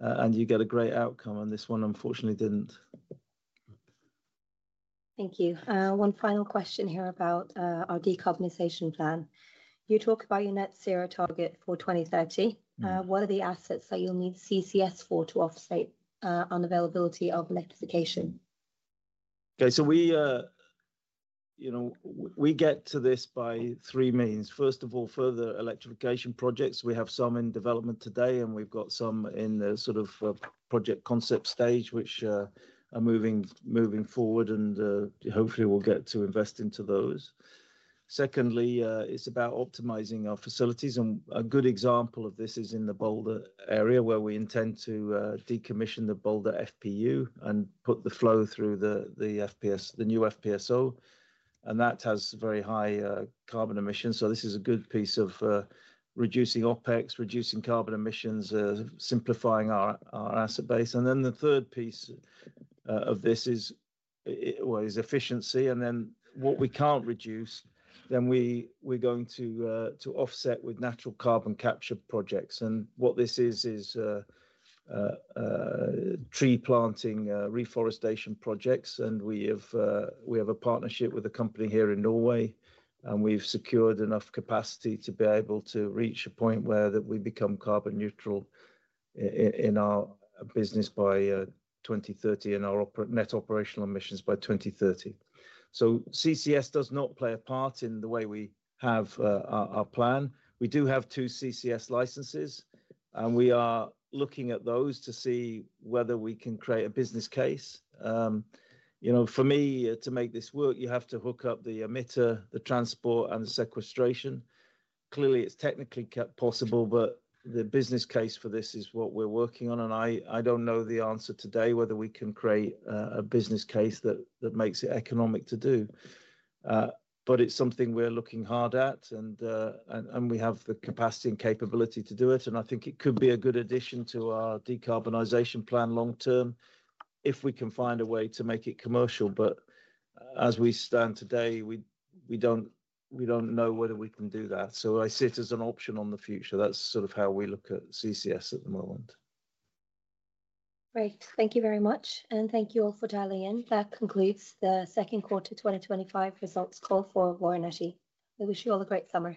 and you get a great outcome. And this one, unfortunately, didn't. Thank you. One final question here about, our decarbonization plan. You talk about your net zero target for 2030. What are the assets that you'll need CCS for to offset, unavailability of electrification? K. So we, you know, we get to this by three means. First of all, further electrification projects, we have some in development today, and we've got some in the sort of project concept stage, which are moving moving forward and, hopefully, we'll get to invest into those. Secondly, it's about optimizing our facilities and a good example of this is in the Boulder area where we intend to, decommission the Boulder FPU and put the flow through the the f p s the new FPSO. And that has very high, carbon emissions. So this is a good piece of reducing OpEx, reducing carbon emissions, simplifying our our asset base. And then the third piece, of this is well, is efficiency. And then what we can't reduce, then we we're going to, to offset with natural carbon capture projects. And what this is is a tree planting, reforestation projects, and we have, we have a partnership with a company here in Norway. And we've secured enough capacity to be able to reach a point where that we become carbon neutral in our business by 2030 and our net operational emissions by 2030. So CCS does not play a part in the way we have our plan. We do have two CCS licenses, and we are looking at those to see whether we can create a business case. You know, for me, to make this work, you have to hook up the emitter, the transport, and the sequestration. Clearly, it's technically kept possible, but the business case for this is what we're working on. And I I don't know the answer today whether we can create a business case that that makes it economic to do. But it's something we're looking hard at, and and we have the capacity and capability to do it. And I think it could be a good addition to our decarbonization plan long term if we can find a way to make it commercial. But as we stand today, we we don't we don't know whether we can do that. So I see it as an option on the future. That's sort of how we look at CCS at the moment. Great. Thank you very much, and thank you all for dialing in. That concludes the second quarter twenty twenty five results call for Warren Eti. I wish you all a great summer.